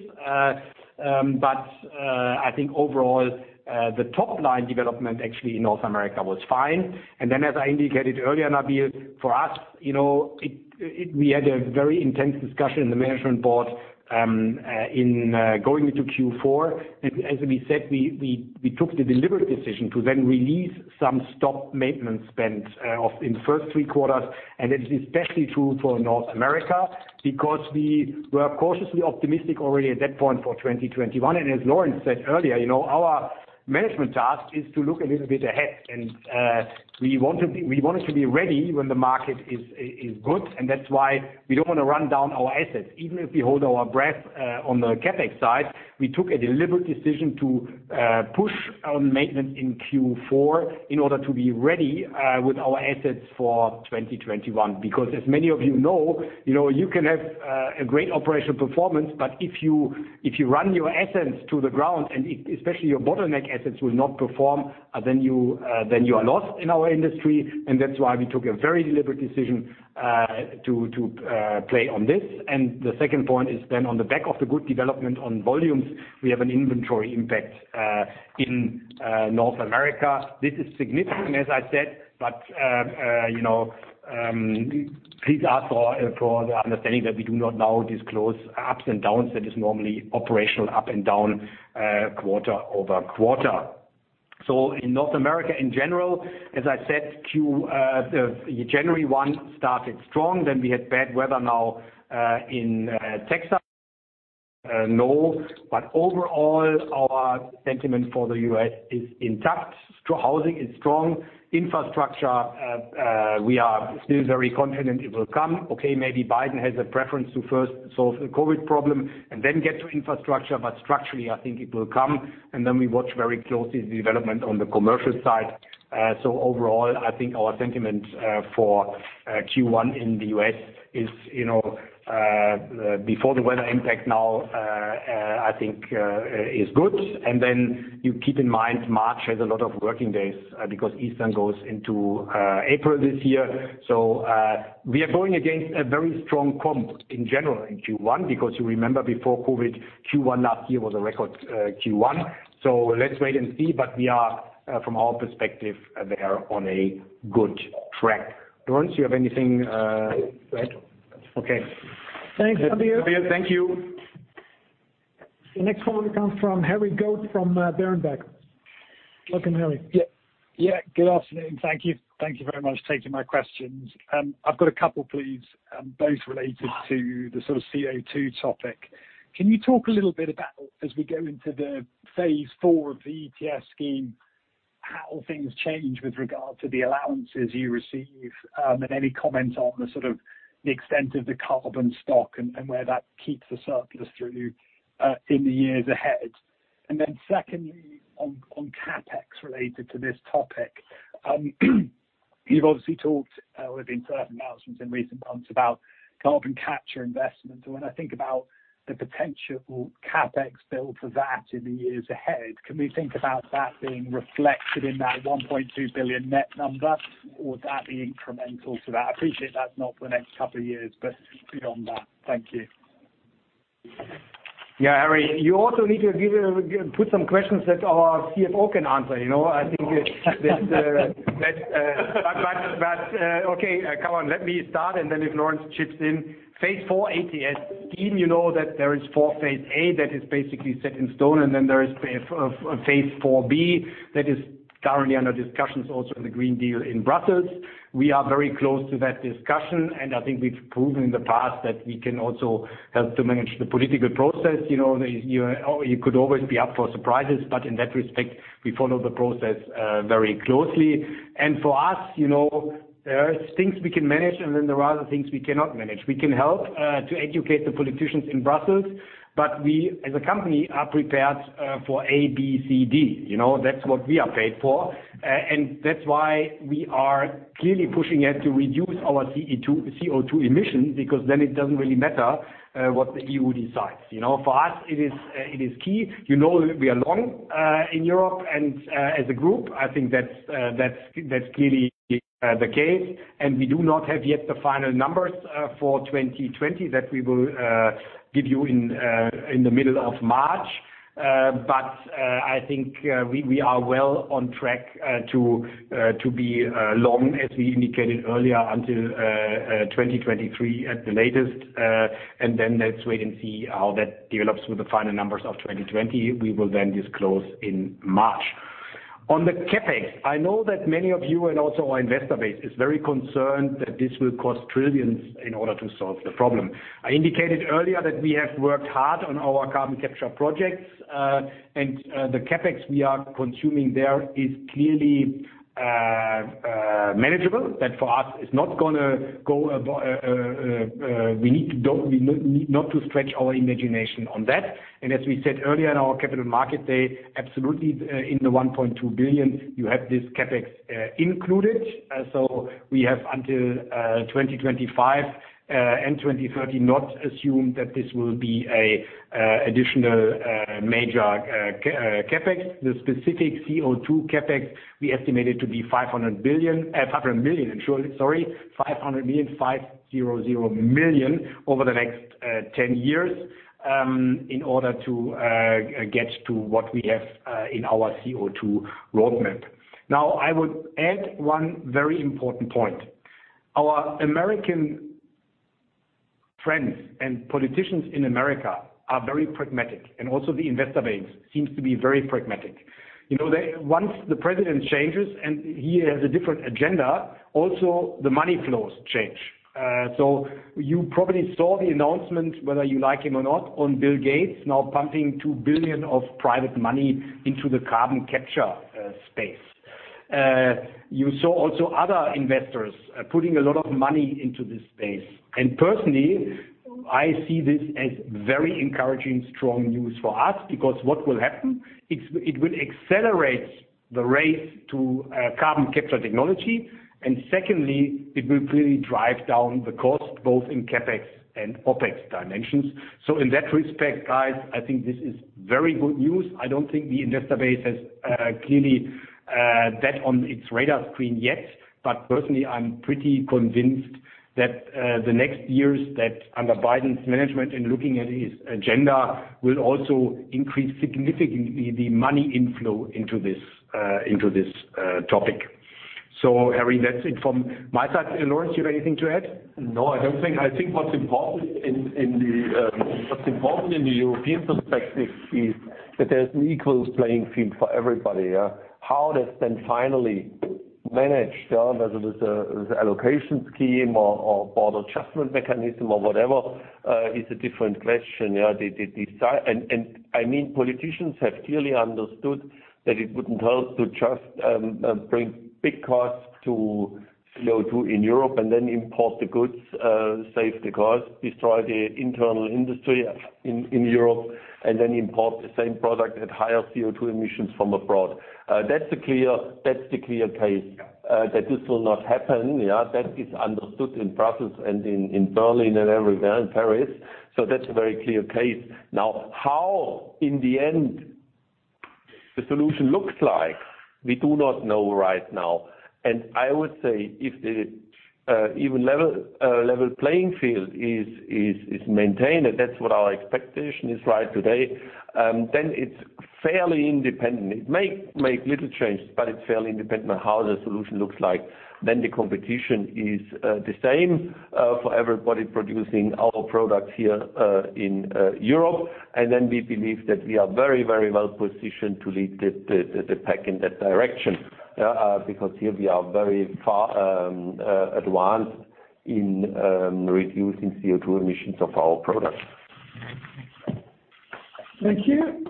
I think overall, the top-line development actually in North America was fine. As I indicated earlier, Nabil, for us, we had a very intense discussion in the management board in going into Q4. As we said, we took the deliberate decision to then release some stock maintenance spend in the first three quarters, and it is especially true for North America because we were cautiously optimistic already at that point for 2021. As Lorenz said earlier, our management task is to look a little bit ahead, and we wanted to be ready when the market is good, and that's why we don't want to run down our assets. Even if we hold our breath on the CapEx side, we took a deliberate decision to push on maintenance in Q4 in order to be ready with our assets for 2021. As many of you know, you can have a great operational performance, but if you run your assets to the ground, and especially your bottleneck assets will not perform, then you are lost in our industry, and that's why we took a very deliberate decision to play on this. The second point is then on the back of the good development on volumes, we have an inventory impact in North America. This is significant, as I said, please ask for the understanding that we do not now disclose ups and downs. That is normally operational up and down quarter over quarter. In North America in general, as I said, January 1 started strong, then we had bad weather now in Texas. Overall, our sentiment for the U.S. is intact. Housing is strong. Infrastructure, we are still very confident it will come. Okay, maybe Biden has a preference to first solve the COVID problem and then get to infrastructure. Structurally, I think it will come, and then we watch very closely the development on the commercial side. Overall, I think our sentiment for Q1 in the U.S. is, before the weather impact now, I think is good. You keep in mind, March has a lot of working days because Easter goes into April this year. We are going against a very strong comp in general in Q1, because you remember before COVID, Q1 last year was a record Q1. Let's wait and see. We are, from our perspective there, on a good track. Lorenz, you have anything to add? Okay. Thanks, Nabil. Nabil, thank you. The next call comes from Harry Goad from Berenberg. Welcome, Harry. Yeah. Good afternoon. Thank you. Thank you very much for taking my questions. I've got a couple, please, both related to the CO2 topic. Can you talk a little bit about as we go into the phase IV of the ETS scheme, how things change with regard to the allowances you receive? Any comments on the extent of the carbon stock and where that keeps the surplus through in the years ahead. Secondly, on CapEx related to this topic. You've obviously talked with internal announcements in recent months about carbon capture investment. When I think about the potential CapEx build for that in the years ahead, can we think about that being reflected in that 1.2 billion net number, or would that be incremental to that? I appreciate that's not for the next couple of years, but beyond that. Thank you. Yeah, Harry, you also need to put some questions that our CFO can answer. Okay, come on, let me start, and then if Lorenz chips in. Phase IV ETS scheme, you know that there is four phase A that is basically set in stone, and then there is a phase IV-B that is currently under discussions also in the Green Deal in Brussels. We are very close to that discussion. I think we've proven in the past that we can also help to manage the political process. You could always be up for surprises. In that respect, we follow the process very closely. For us, there are things we can manage, and then there are other things we cannot manage. We can help to educate the politicians in Brussels. We, as a company, are prepared for A, B, C, D. That's what we are paid for. That's why we are clearly pushing it to reduce our CO2 emission, because then it doesn't really matter what the EU decides. For us, it is key. You know we are long in Europe, and as a group, I think that's clearly the case. We do not have yet the final numbers for 2020 that we will give you in the middle of March. But I think we are well on track to be long, as we indicated earlier, until 2023 at the latest. Let's wait and see how that develops with the final numbers of 2020. We will then disclose in March. On the CapEx, I know that many of you and also our investor base is very concerned that this will cost trillions in order to solve the problem. I indicated earlier that we have worked hard on our carbon capture projects, and the CapEx we are consuming there is clearly manageable. That for us is not going to go. We need not to stretch our imagination on that. As we said earlier in our capital market day, absolutely in the 1.2 billion you have this CapEx included. We have until 2025 and 2030 not assumed that this will be an additional major CapEx. The specific CO2 CapEx we estimated to be $500 million, surely, sorry. $500 million over the next 10 years in order to get to what we have in our CO2 roadmap. I would add one very important point. Our American friends and politicians in America are very pragmatic, and also the investor base seems to be very pragmatic. Once the president changes and he has a different agenda, also the money flows change. You probably saw the announcement, whether you like him or not, on Bill Gates now pumping $2 billion of private money into the carbon capture space. You saw also other investors putting a lot of money into this space. Personally, I see this as very encouraging, strong news for us because what will happen, it will accelerate the race to carbon capture technology. Secondly, it will really drive down the cost, both in CapEx and OpEx dimensions. In that respect, guys, I think this is very good news. I don't think the investor base has clearly that on its radar screen yet, but personally, I'm pretty convinced that the next years that under Biden's management in looking at his agenda will also increase significantly the money inflow into this topic. Harry, that's it from my side. Lorenz, you have anything to add? No, I don't think. I think what's important in the European perspective is that there's an equal playing field for everybody. How that's then finally managed, whether it is the allocation scheme or border adjustment mechanism or whatever, is a different question. I mean, politicians have clearly understood that it wouldn't help to just bring big costs to CO2 in Europe and then import the goods, save the cost, destroy the internal industry in Europe, and then import the same product at higher CO2 emissions from abroad. That's the clear case, that this will not happen. That is understood in Brussels and in Berlin and everywhere in Paris. That's a very clear case. How in the end the solution looks like, we do not know right now. I would say if the even level playing field is maintained, and that's what our expectation is right today, it's fairly independent. It may make little changes, but it's fairly independent on how the solution looks like. The competition is the same for everybody producing our products here in Europe. We believe that we are very well positioned to lead the pack in that direction. Because here we are very far advanced in reducing CO2 emissions of our products. Thank you.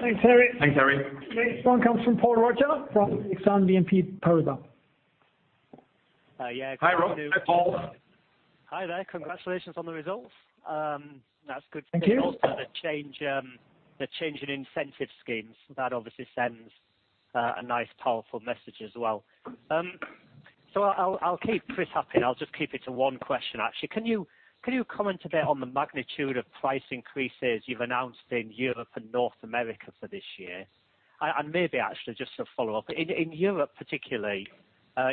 Thanks, Harry. Thanks, Harry. Next one comes from Paul Roger from Exane BNP Paribas. Hi, Paul. Hi there. Congratulations on the results. To know that the change in incentive schemes, that obviously sends a nice, powerful message as well. I'll keep Chris happy, and I'll just keep it to one question, actually. Can you comment a bit on the magnitude of price increases you've announced in Europe and North America for this year? Maybe actually just to follow up. In Europe particularly,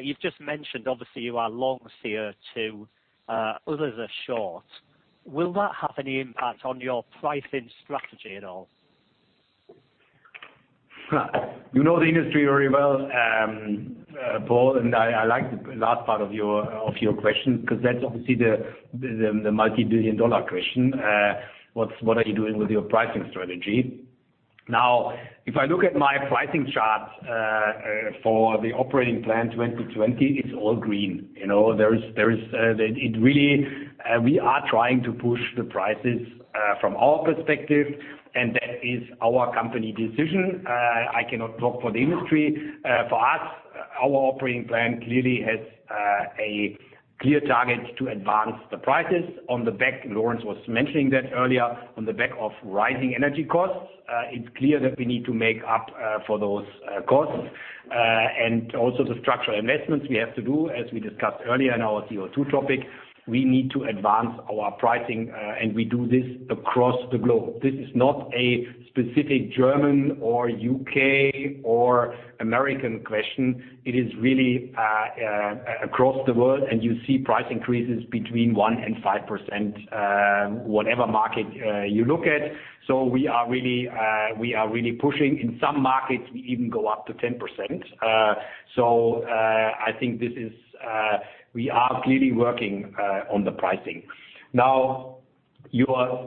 you've just mentioned obviously you are long CO2, others are short. Will that have any impact on your pricing strategy at all? You know the industry very well, Paul, and I like the last part of your question because that's obviously the multi-billion dollar question. What are you doing with your pricing strategy? Now, if I look at my pricing chart for the operating plan 2020, it's all green. We are trying to push the prices from our perspective, and that is our company decision. I cannot talk for the industry. For us, our operating plan clearly has a clear target to advance the prices on the back, Lorenz was mentioning that earlier, on the back of rising energy costs. It's clear that we need to make up for those costs. Also the structural investments we have to do, as we discussed earlier in our CO2 topic, we need to advance our pricing, and we do this across the globe. This is not a specific German or U.K. or American question. It is really across the world. You see price increases between 1% and 5%, whatever market you look at. We are really pushing. In some markets, we even go up to 10%. I think we are clearly working on the pricing. Now, your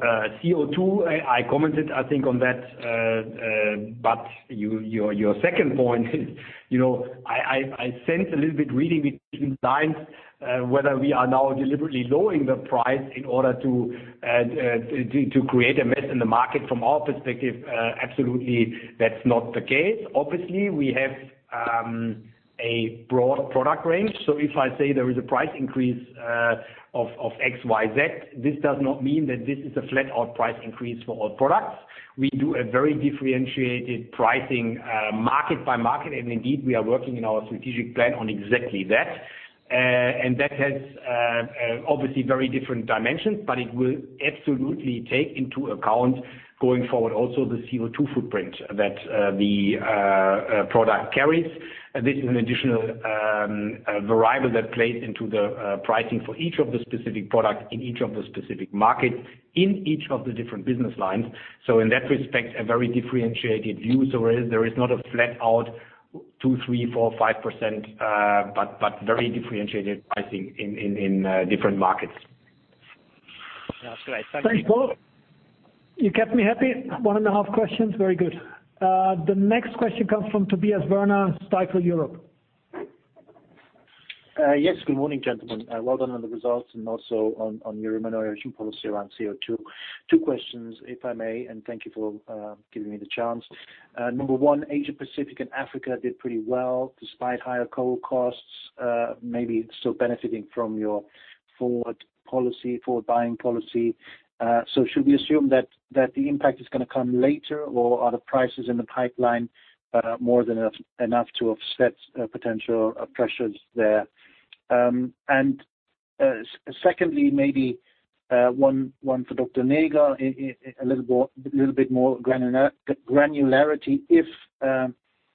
CO2, I commented, I think, on that. Your second point is, I sense a little bit reading between the lines, whether we are now deliberately lowering the price in order to create a mess in the market. From our perspective, absolutely, that's not the case. Obviously, we have a broad product range. If I say there is a price increase of X, Y, Z, this does not mean that this is a flat out price increase for all products. We do a very differentiated pricing, market by market, and indeed, we are working in our strategic plan on exactly that. That has obviously very different dimensions, but it will absolutely take into account, going forward also the CO2 footprint that the product carries. This is an additional variable that plays into the pricing for each of the specific products in each of the specific markets in each of the different business lines. In that respect, a very differentiated view. There is not a flat out 2%, 3%, 4%, 5%, but very differentiated pricing in different markets. Thanks, Paul. You kept me happy. One and a half questions. Very good. The next question comes from Tobias Woerner, Stifel Europe. Yes, good morning, gentlemen. Well done on the results and also on your remuneration policy around CO2. Two questions if I may, and thank you for giving me the chance. Number one, Asia Pacific and Africa did pretty well despite higher coal costs, maybe still benefiting from your forward policy, forward buying policy. Should we assume that the impact is going to come later, or are the prices in the pipeline more than enough to offset potential pressures there? Secondly, maybe one for Dr. Näger, a little bit more granularity. If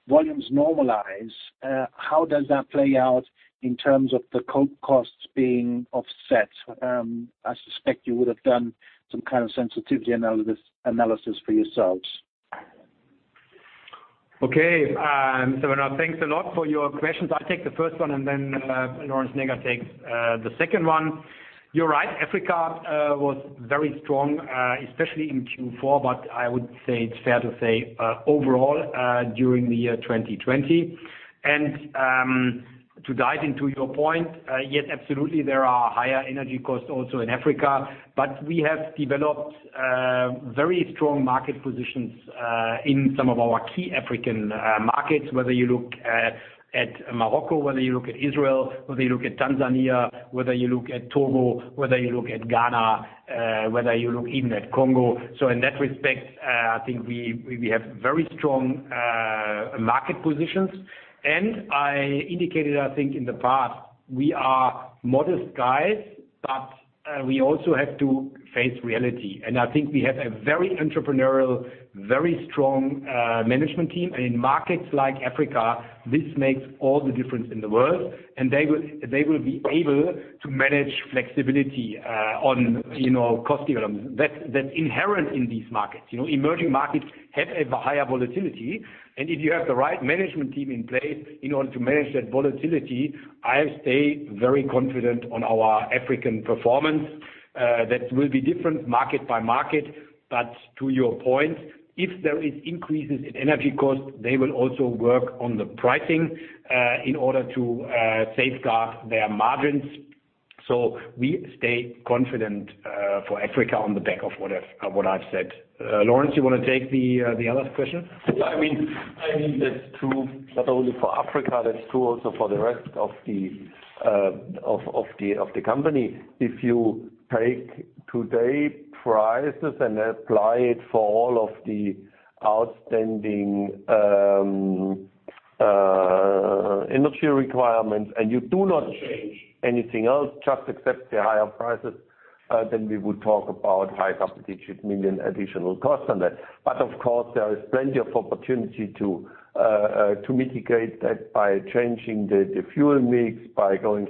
volumes normalize, how does that play out in terms of the coal costs being offset? I suspect you would have done some kind of sensitivity analysis for yourselves. Okay. Mr. Woerner, thanks a lot for your questions. I'll take the first one and then Lorenz Näger takes the second one. You're right, Africa was very strong, especially in Q4, but I would say it's fair to say, overall, during the year 2020. To dive into your point, yes, absolutely, there are higher energy costs also in Africa, but we have developed very strong market positions in some of our key African markets, whether you look at Morocco, whether you look at Israel, whether you look at Tanzania, whether you look at Togo, whether you look at Ghana, whether you look even at Congo. In that respect, I think we have very strong market positions. I indicated, I think in the past, we are modest guys, but we also have to face reality. I think we have a very entrepreneurial, very strong management team. In markets like Africa, this makes all the difference in the world. They will be able to manage flexibility on cost elements that's inherent in these markets. Emerging markets have a higher volatility, and if you have the right management team in place in order to manage that volatility, I stay very confident on our African performance. That will be different market by market. To your point, if there is increases in energy costs, they will also work on the pricing in order to safeguard their margins. We stay confident for Africa on the back of what I've said. Lorenz, you want to take the other question? I mean, that's true not only for Africa, that's true also for the rest of the company. If you take today prices and apply it for all of the outstanding energy requirements, you do not change anything else, just accept the higher prices, then we would talk about high double-digit million additional costs on that. Of course, there is plenty of opportunity to mitigate that by changing the fuel mix, by going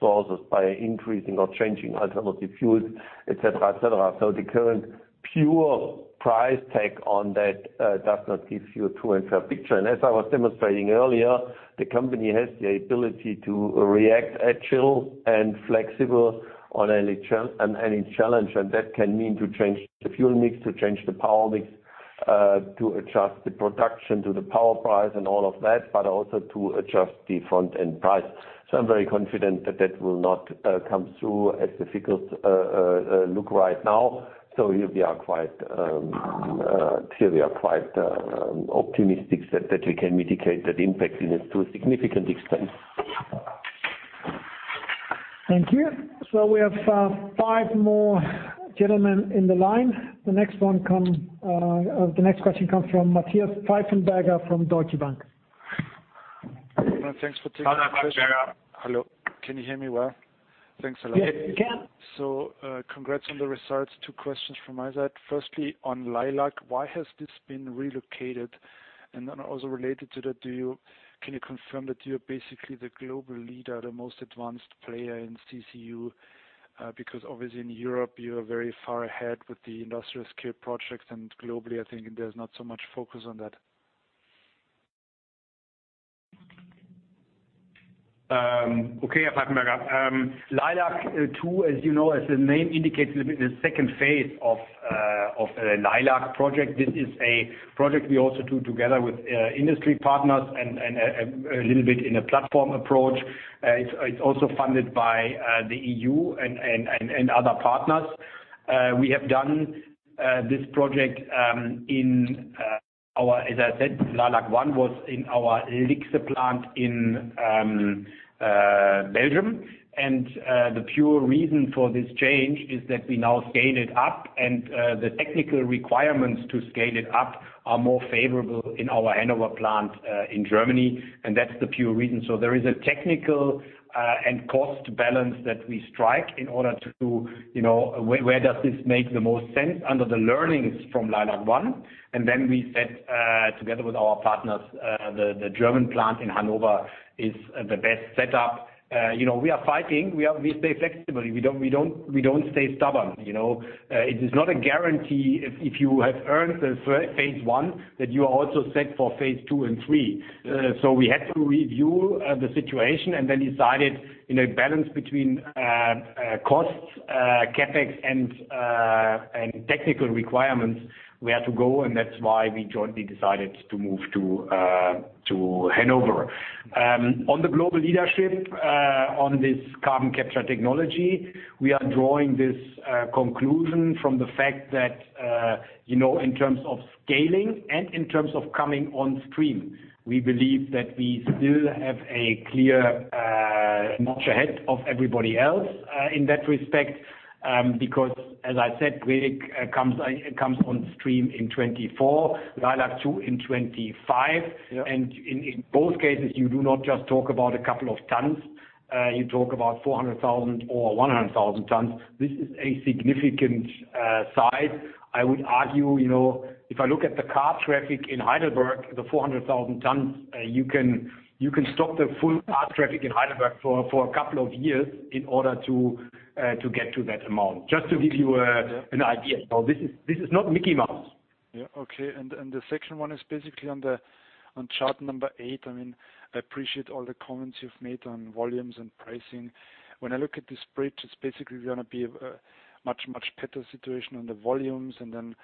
sources, by increasing or changing alternative fuels, et cetera. The current pure price tag on that does not give you a true and fair picture. As I was demonstrating earlier, the company has the ability to react agile and flexible on any challenge. That can mean to change the fuel mix, to change the power mix, to adjust the production to the power price and all of that, but also to adjust the front-end price. I'm very confident that that will not come through as difficult look right now. Here we are quite optimistic that we can mitigate that impact to a significant extent. Thank you. We have five more gentlemen in the line. The next question comes from Matthias Pfeifenberger from Deutsche Bank. Thanks for taking the question. Hello. Can you hear me well? Thanks a lot. Yes, we can. Congrats on the results. Two questions from my side. Firstly, on LEILAC, why has this been relocated? Also related to that, can you confirm that you're basically the global leader, the most advanced player in CCUS? Obviously in Europe, you are very far ahead with the industrial scale projects, and globally, I think there's not so much focus on that. Okay, Pfeifenberger. LEILAC-2, as you know, as the name indicates, is the second phase of the LEILAC project. This is a project we also do together with industry partners and a little bit in a platform approach. It's also funded by the EU and other partners. We have done this project in our, as I said, LEILAC-1 was in our Lixhe plant in Belgium, and the pure reason for this change is that we now scale it up, and the technical requirements to scale it up are more favorable in our Hannover plant in Germany, and that's the pure reason. There is a technical and cost balance that we strike in order to do, where does this make the most sense under the learnings from LEILAC-1? We said, together with our partners, the German plant in Hannover is the best setup. We are fighting. We stay flexible. We don't stay stubborn. It is not a guarantee if you have earned the phase I, that you are also set for phase II and III. We had to review the situation and then decided in a balance between costs, CapEx, and technical requirements, where to go, and that's why we jointly decided to move to Hannover. On the global leadership, on this carbon capture technology, we are drawing this conclusion from the fact that, in terms of scaling and in terms of coming on stream, we believe that we still have a clear notch ahead of everybody else in that respect. Because, as I said, Brevik comes on stream in 2024, LEILAC-2 in 2025. Yeah. In both cases, you do not just talk about a couple of tons, you talk about 400,000 or 100,000 tons. This is a significant size. I would argue, if I look at the car traffic in Heidelberg, the 400,000 tons, you can stop the full car traffic in Heidelberg for a couple of years in order to get to that amount. Just to give you an idea. This is not Mickey Mouse. Yeah. Okay. The section one is basically on chart number eight. I appreciate all the comments you've made on volumes and pricing. When I look at this bridge, it's basically going to be a much, much better situation on the volumes, and then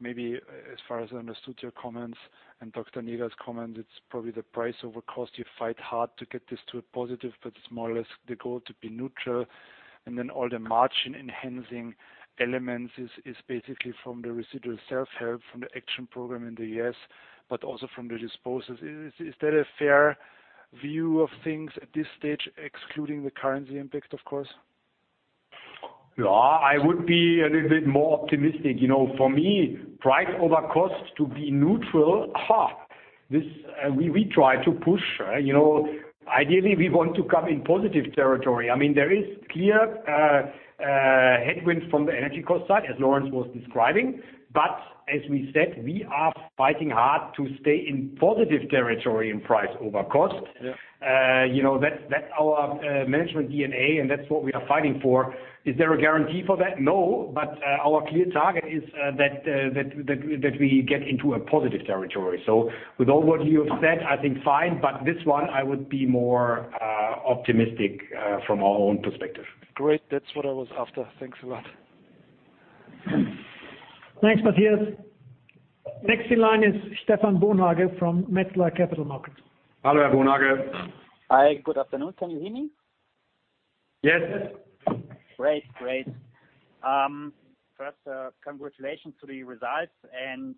maybe, as far as I understood your comments and Dr. Näger's comments, it's probably the price over cost. You fight hard to get this to a positive, but it's more or less the goal to be neutral. All the margin enhancing elements is basically from the residual self-help from the action program in the U.S., but also from the disposals. Is that a fair view of things at this stage, excluding the currency impact, of course? Yeah. I would be a little bit more optimistic. For me, price over cost to be neutral, this we try to push. Ideally, we want to come in positive territory. There is clear headwinds from the energy cost side, as Lorenz was describing. As we said, we are fighting hard to stay in positive territory in price over cost. Yeah. That's our management DNA. That's what we are fighting for. Is there a guarantee for that? No. Our clear target is that we get into a positive territory. With all what you have said, I think fine, but this one, I would be more optimistic from our own perspective. Great. That's what I was after. Thanks a lot. Thanks, Matthias. Next in line is Stephan Bonhage from Metzler Capital Markets. Hello, Bonhage. Hi, good afternoon. Can you hear me? Yes. Great. First, congratulations to the results, and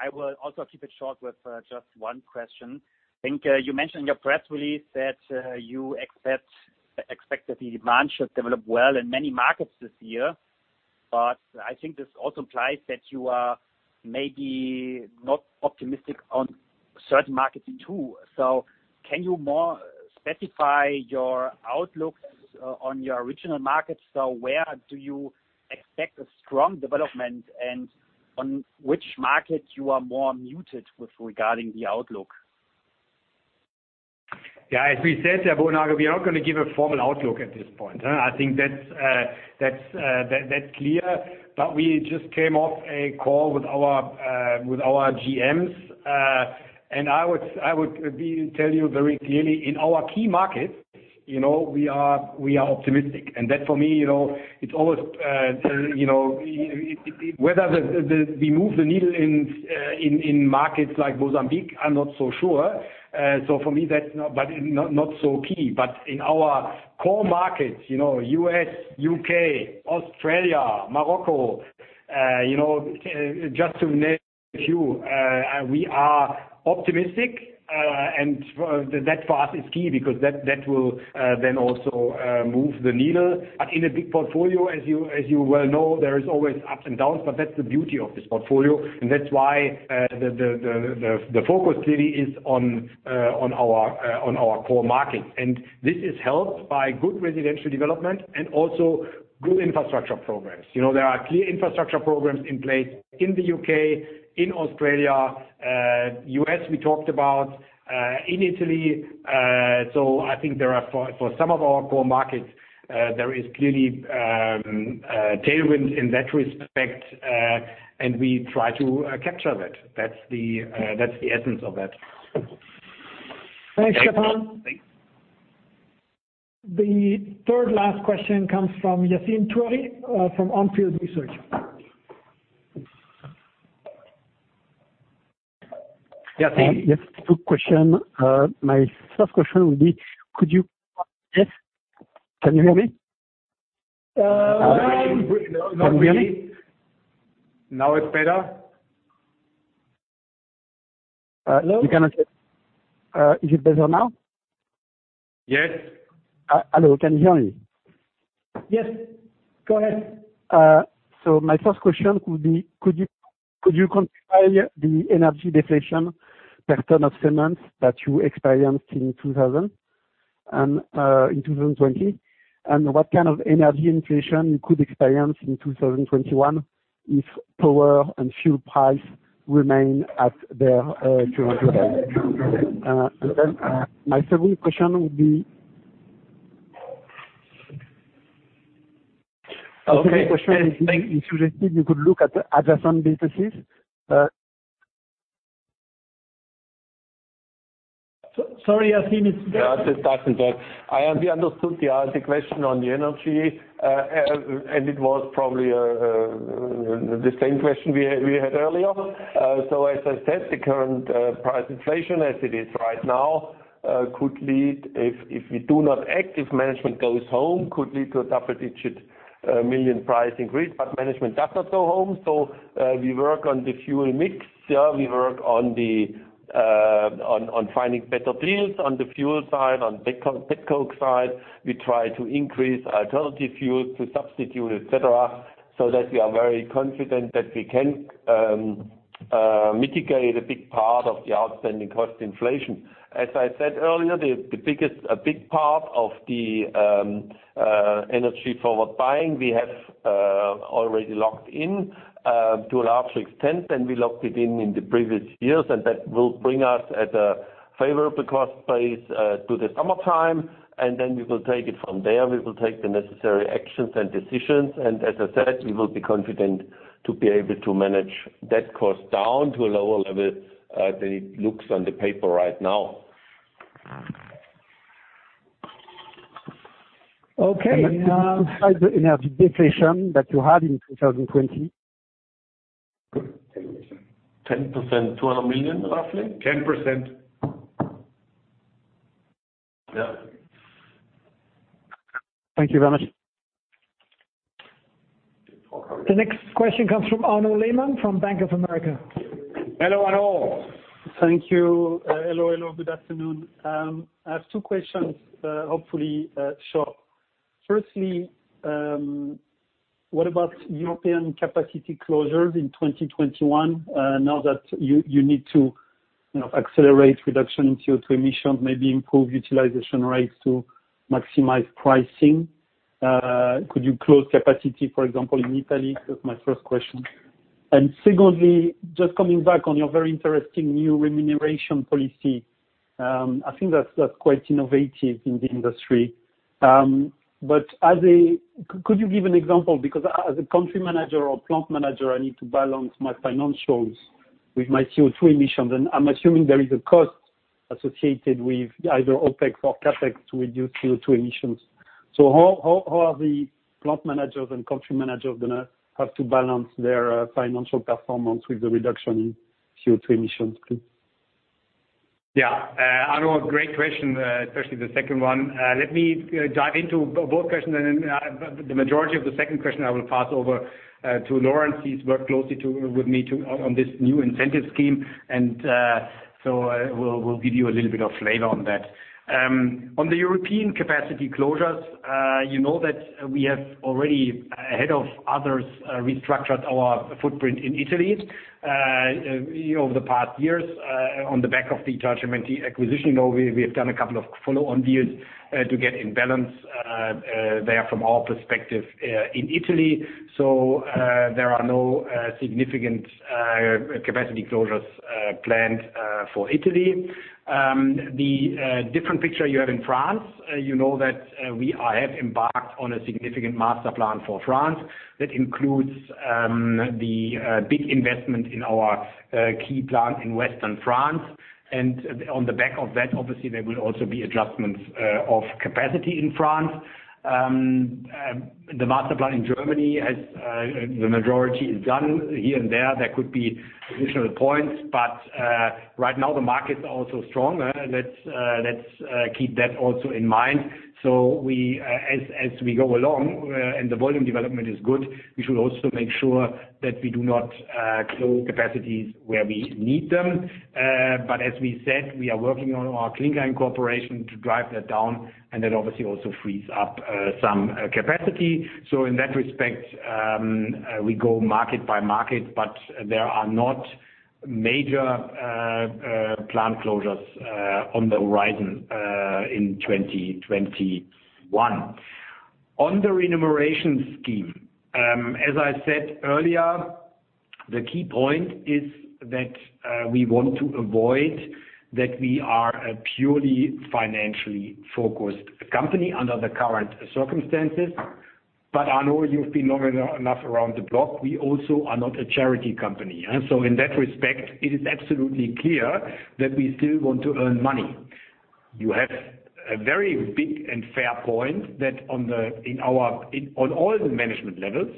I will also keep it short with just one question. I think you mentioned in your press release that you expect that the demand should develop well in many markets this year, but I think this also implies that you are maybe not optimistic on certain markets, too. Can you more specify your outlooks on your original markets? Where do you expect a strong development, and on which market you are more muted with regarding the outlook? Yeah. As we said, Bonhage, we are not going to give a formal outlook at this point. I think that's clear. We just came off a call with our GMs, and I would tell you very clearly, in our key markets, we are optimistic. That, for me, it's always whether we move the needle in markets like Mozambique, I'm not so sure. For me, that's not so key. In our core markets, U.S., U.K., Australia, Morocco, just to name a few, we are optimistic. That for us is key because that will then also move the needle. In a big portfolio, as you well know, there is always ups and downs, but that's the beauty of this portfolio, and that's why the focus clearly is on our core markets. This is helped by good residential development and also good infrastructure programs. There are clear infrastructure programs in place in the U.K., in Australia, U.S., we talked about, in Italy. I think there are, for some of our core markets, there is clearly tailwinds in that respect, and we try to capture that. That's the essence of that. Thanks, Stephan. The third last question comes from Yassine Touahri from On Field Investment Research. Yassine. Yes, two question. My first question would be: Yes. Can you hear me? Can you hear me? Now it's better. Hello? Is it better now? Yes. Hello, can you hear me? Yes. Go ahead. My first question could be, could you compare the energy deflation per ton of cement that you experienced in 2020? What kind of energy inflation you could experience in 2021, if power and fuel price remain at their current level? My second question would be. My second question is, it's suggested you could look at adjacent businesses. Sorry, Yassine. Yeah, it doesn't work. We understood the question on the energy, and it was probably the same question we had earlier. As I said, the current price inflation as it is right now could lead, if we do not act, if management goes home, could lead to a double-digit million price increase. Management does not go home, so we work on the fuel mix. We work on finding better deals on the fuel side, on petcoke side. We try to increase alternative fuel to substitute, et cetera, so that we are very confident that we can mitigate a big part of the outstanding cost inflation. As I said earlier, the biggest part of the energy forward buying, we have already locked in to a larger extent than we locked it in in the previous years. That will bring us at a favorable cost base to the summertime. Then we will take it from there. We will take the necessary actions and decisions. As I said, we will be confident to be able to manage that cost down to a lower level than it looks on the paper right now. Okay. Could you specify the energy deflation that you had in 2020? 10%. EUR 200 million, roughly? 10%. Yeah. Thank you very much. The next question comes from Arnaud Lehmann, from Bank of America. Hello, Arnaud. Thank you. Hello. Good afternoon. I have two questions, hopefully short. Firstly, what about European capacity closures in 2021, now that you need to accelerate reduction in CO2 emissions, maybe improve utilization rates to maximize pricing? Could you close capacity, for example, in Italy? That's my first question. Secondly, just coming back on your very interesting new remuneration policy. I think that's quite innovative in the industry. Could you give an example? Because as a country manager or plant manager, I need to balance my financials with my CO2 emissions, and I'm assuming there is a cost associated with either OpEx or CapEx to reduce CO2 emissions. How are the plant managers and country managers going to have to balance their financial performance with the reduction in CO2 emissions, please? Yeah. Arnaud, great question, especially the second one. Let me dive into both questions. Then the majority of the second question, I will pass over to Lorenz. He's worked closely with me on this new incentive scheme. We'll give you a little bit of flavor on that. On the European capacity closures, you know that we have already ahead of others, restructured our footprint in Italy over the past years, on the back of the Italcementi acquisition, although we have done a couple of follow-on deals to get in balance there from our perspective in Italy. There are no significant capacity closures planned for Italy. The different picture you have in France, you know that I have embarked on a significant master plan for France that includes the big investment in our key plant in Western France. On the back of that, obviously, there will also be adjustments of capacity in France. The master plan in Germany, the majority is done. Here and there could be additional points, right now the market is also strong. Let's keep that also in mind. As we go along and the volume development is good, we should also make sure that we do not close capacities where we need them. As we said, we are working on our clinker incorporation to drive that down, and that obviously also frees up some capacity. In that respect, we go market by market, but there are not major plant closures on the horizon in 2021. On the remuneration scheme. As I said earlier, the key point is that we want to avoid that we are a purely financially focused company under the current circumstances. Arnaud, you've been long enough around the block. We also are not a charity company. In that respect, it is absolutely clear that we still want to earn money. You have a very big and fair point that on all the management levels,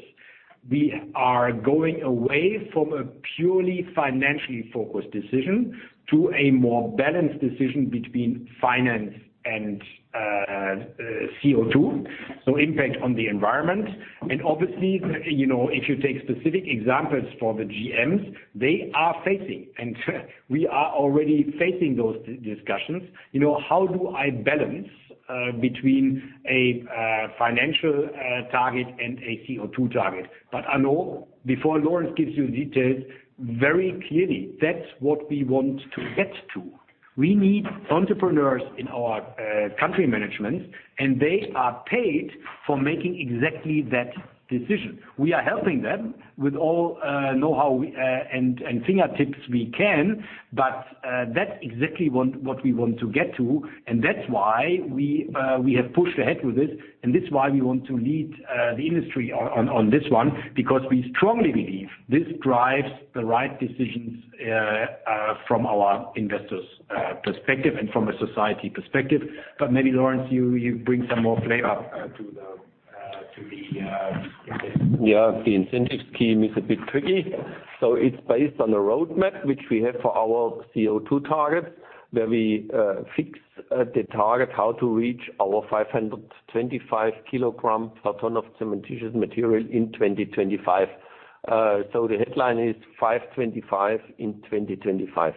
we are going away from a purely financially focused decision to a more balanced decision between finance and CO2, so impact on the environment. Obviously, if you take specific examples for the GMs, they are facing, and we are already facing those discussions. How do I balance between a financial target and a CO2 target? Arnaud, before Lorenz gives you details, very clearly, that's what we want to get to. We need entrepreneurs in our country management, and they are paid for making exactly that decision. We are helping them with all know-how and fingertips we can, but that's exactly what we want to get to, and that's why we have pushed ahead with it, and this is why we want to lead the industry on this one, because we strongly believe this drives the right decisions from our investors' perspective and from a society perspective. Maybe, Lorenz, you bring some more flavor to the incentive. Yeah, the incentive scheme is a bit tricky. It's based on a roadmap, which we have for our CO2 target, where we fix the target how to reach our 525 kg per ton of cementitious material in 2025. The headline is 525 in 2025.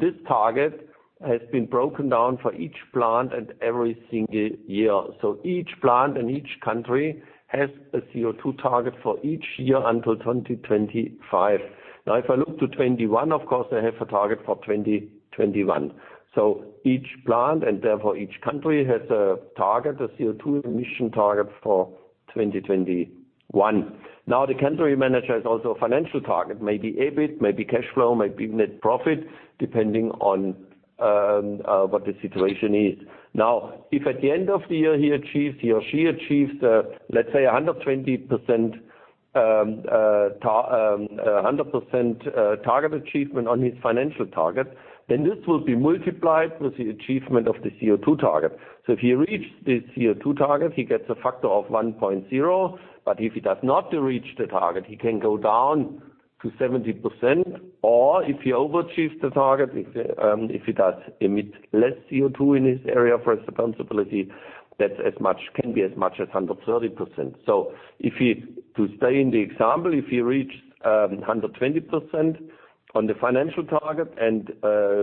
This target has been broken down for each plant and every single year. Each plant and each country has a CO2 target for each year until 2025. If I look to 2021, of course, I have a target for 2021. Each plant, and therefore each country, has a target, a CO2 emission target for 2021. The country manager has also a financial target, maybe EBIT, maybe cash flow, maybe net profit, depending on what the situation is. If at the end of the year, he achieves, he or she achieves, let's say, 100% target achievement on his financial target, then this will be multiplied with the achievement of the CO2 target. If he reached this CO2 target, he gets a factor of 1.0, but if he does not reach the target, he can go down to 70%, or if he overachieves the target, if he does emit less CO2 in his area for responsibility, that can be as much as 130%. To stay in the example, if he reached 120% on the financial target and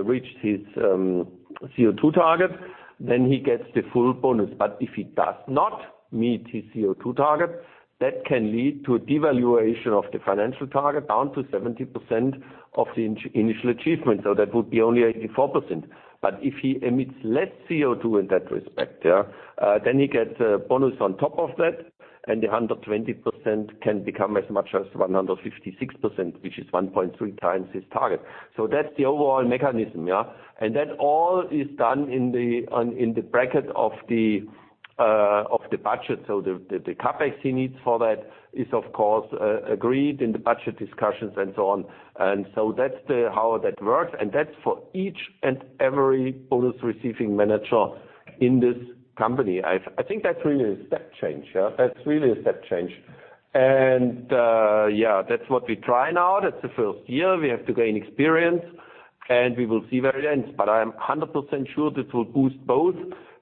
reached his CO2 target, then he gets the full bonus. If he does not meet his CO2 target, that can lead to a devaluation of the financial target down to 70% of the initial achievement. That would be only 84%. If he emits less CO2 in that respect, then he gets a bonus on top of that, and the 120% can become as much as 156%, which is 1.3x his target. That's the overall mechanism. That all is done in the bracket of the budget. The CapEx he needs for that is, of course, agreed in the budget discussions and so on. That's how that works. That's for each and every bonus receiving manager in this company. I think that really is a step change. That's really a step change. That's what we try now. That's the first year. We have to gain experience, and we will see where it ends. I am 100% sure this will boost both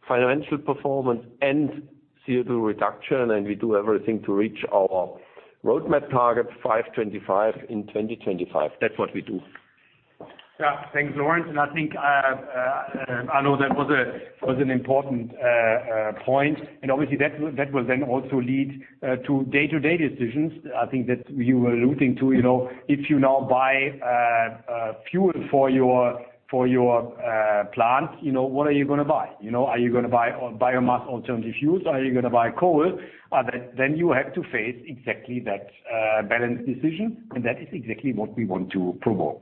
financial performance and CO2 reduction, and we do everything to reach our roadmap target 525 in 2025.That's what we do. Yeah. Thanks, Lorenz. I think, Arnaud, that was an important point. Obviously that will then also lead to day-to-day decisions. I think that you were alluding to, if you now buy fuel for your plant, what are you going to buy? Are you going to buy biomass alternative fuels, or are you going to buy coal? You have to face exactly that balance decision, and that is exactly what we want to provoke.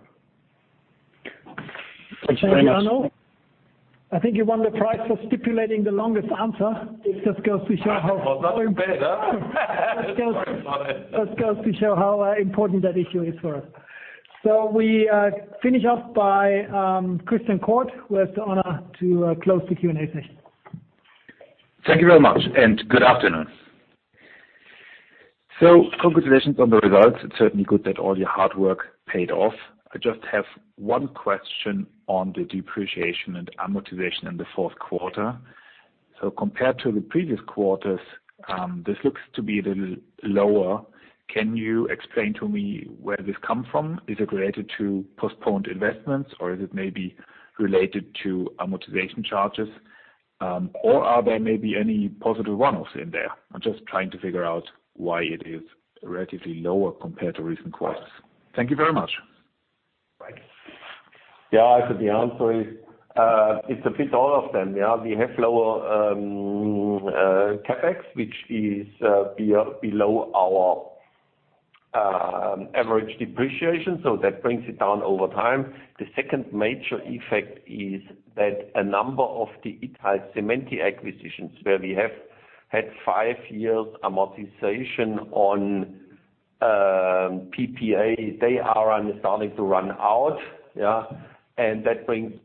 Thank you, Arnaud. I think you won the prize for stipulating the longest answer. Nothing better. Sorry about it. It just goes to show how important that issue is for us. We finish off by Christian Cohrs, who has the honor to close the Q&A session. Thank you very much. Good afternoon. Congratulations on the results. It's certainly good that all your hard work paid off. I just have one question on the depreciation and amortization in the fourth quarter. Compared to the previous quarters, this looks to be a little lower. Can you explain to me where this come from? Is it related to postponed investments, or is it maybe related to amortization charges? Are there maybe any positive runoffs in there? I'm just trying to figure out why it is relatively lower compared to recent quarters. Thank you very much. Right. Yeah, I think the answer is, it's a bit all of them. We have lower CapEx, which is below our average depreciation, so that brings it down over time. The second major effect is that a number of the Italcementi acquisitions, where we have had five years amortization on PPA, they are starting to run out. Yeah. That brings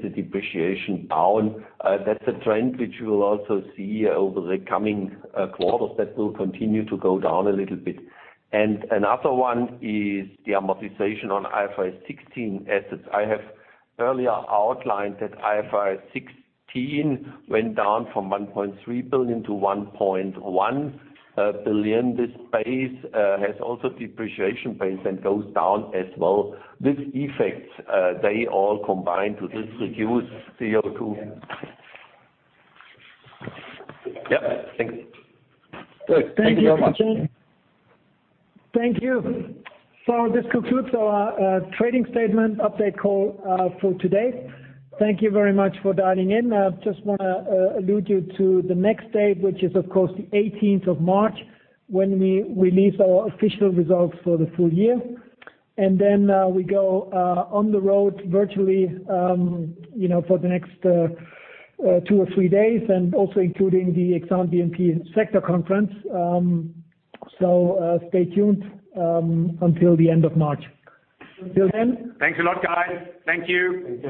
the depreciation down. That's a trend which you will also see over the coming quarters. That will continue to go down a little bit. Another one is the amortization on IFRS 16 assets. I have earlier outlined that IFRS 16 went down from 1.3 billion-1.1 billion. This space has also depreciation pains and goes down as well. These effects, they all combine to this reduced CO2. Yeah. Thanks. Good. Thank you. Thank you very much. Thank you. This concludes our trading statement update call for today. Thank you very much for dialing in. I just want to allude you to the next date, which is, of course, the 18th of March, when we release our official results for the full year. Then we go on the road virtually for the next two or three days, also including the Exane BNP sector conference. Stay tuned until the end of March. Till then. Thanks a lot, guys. Thank you.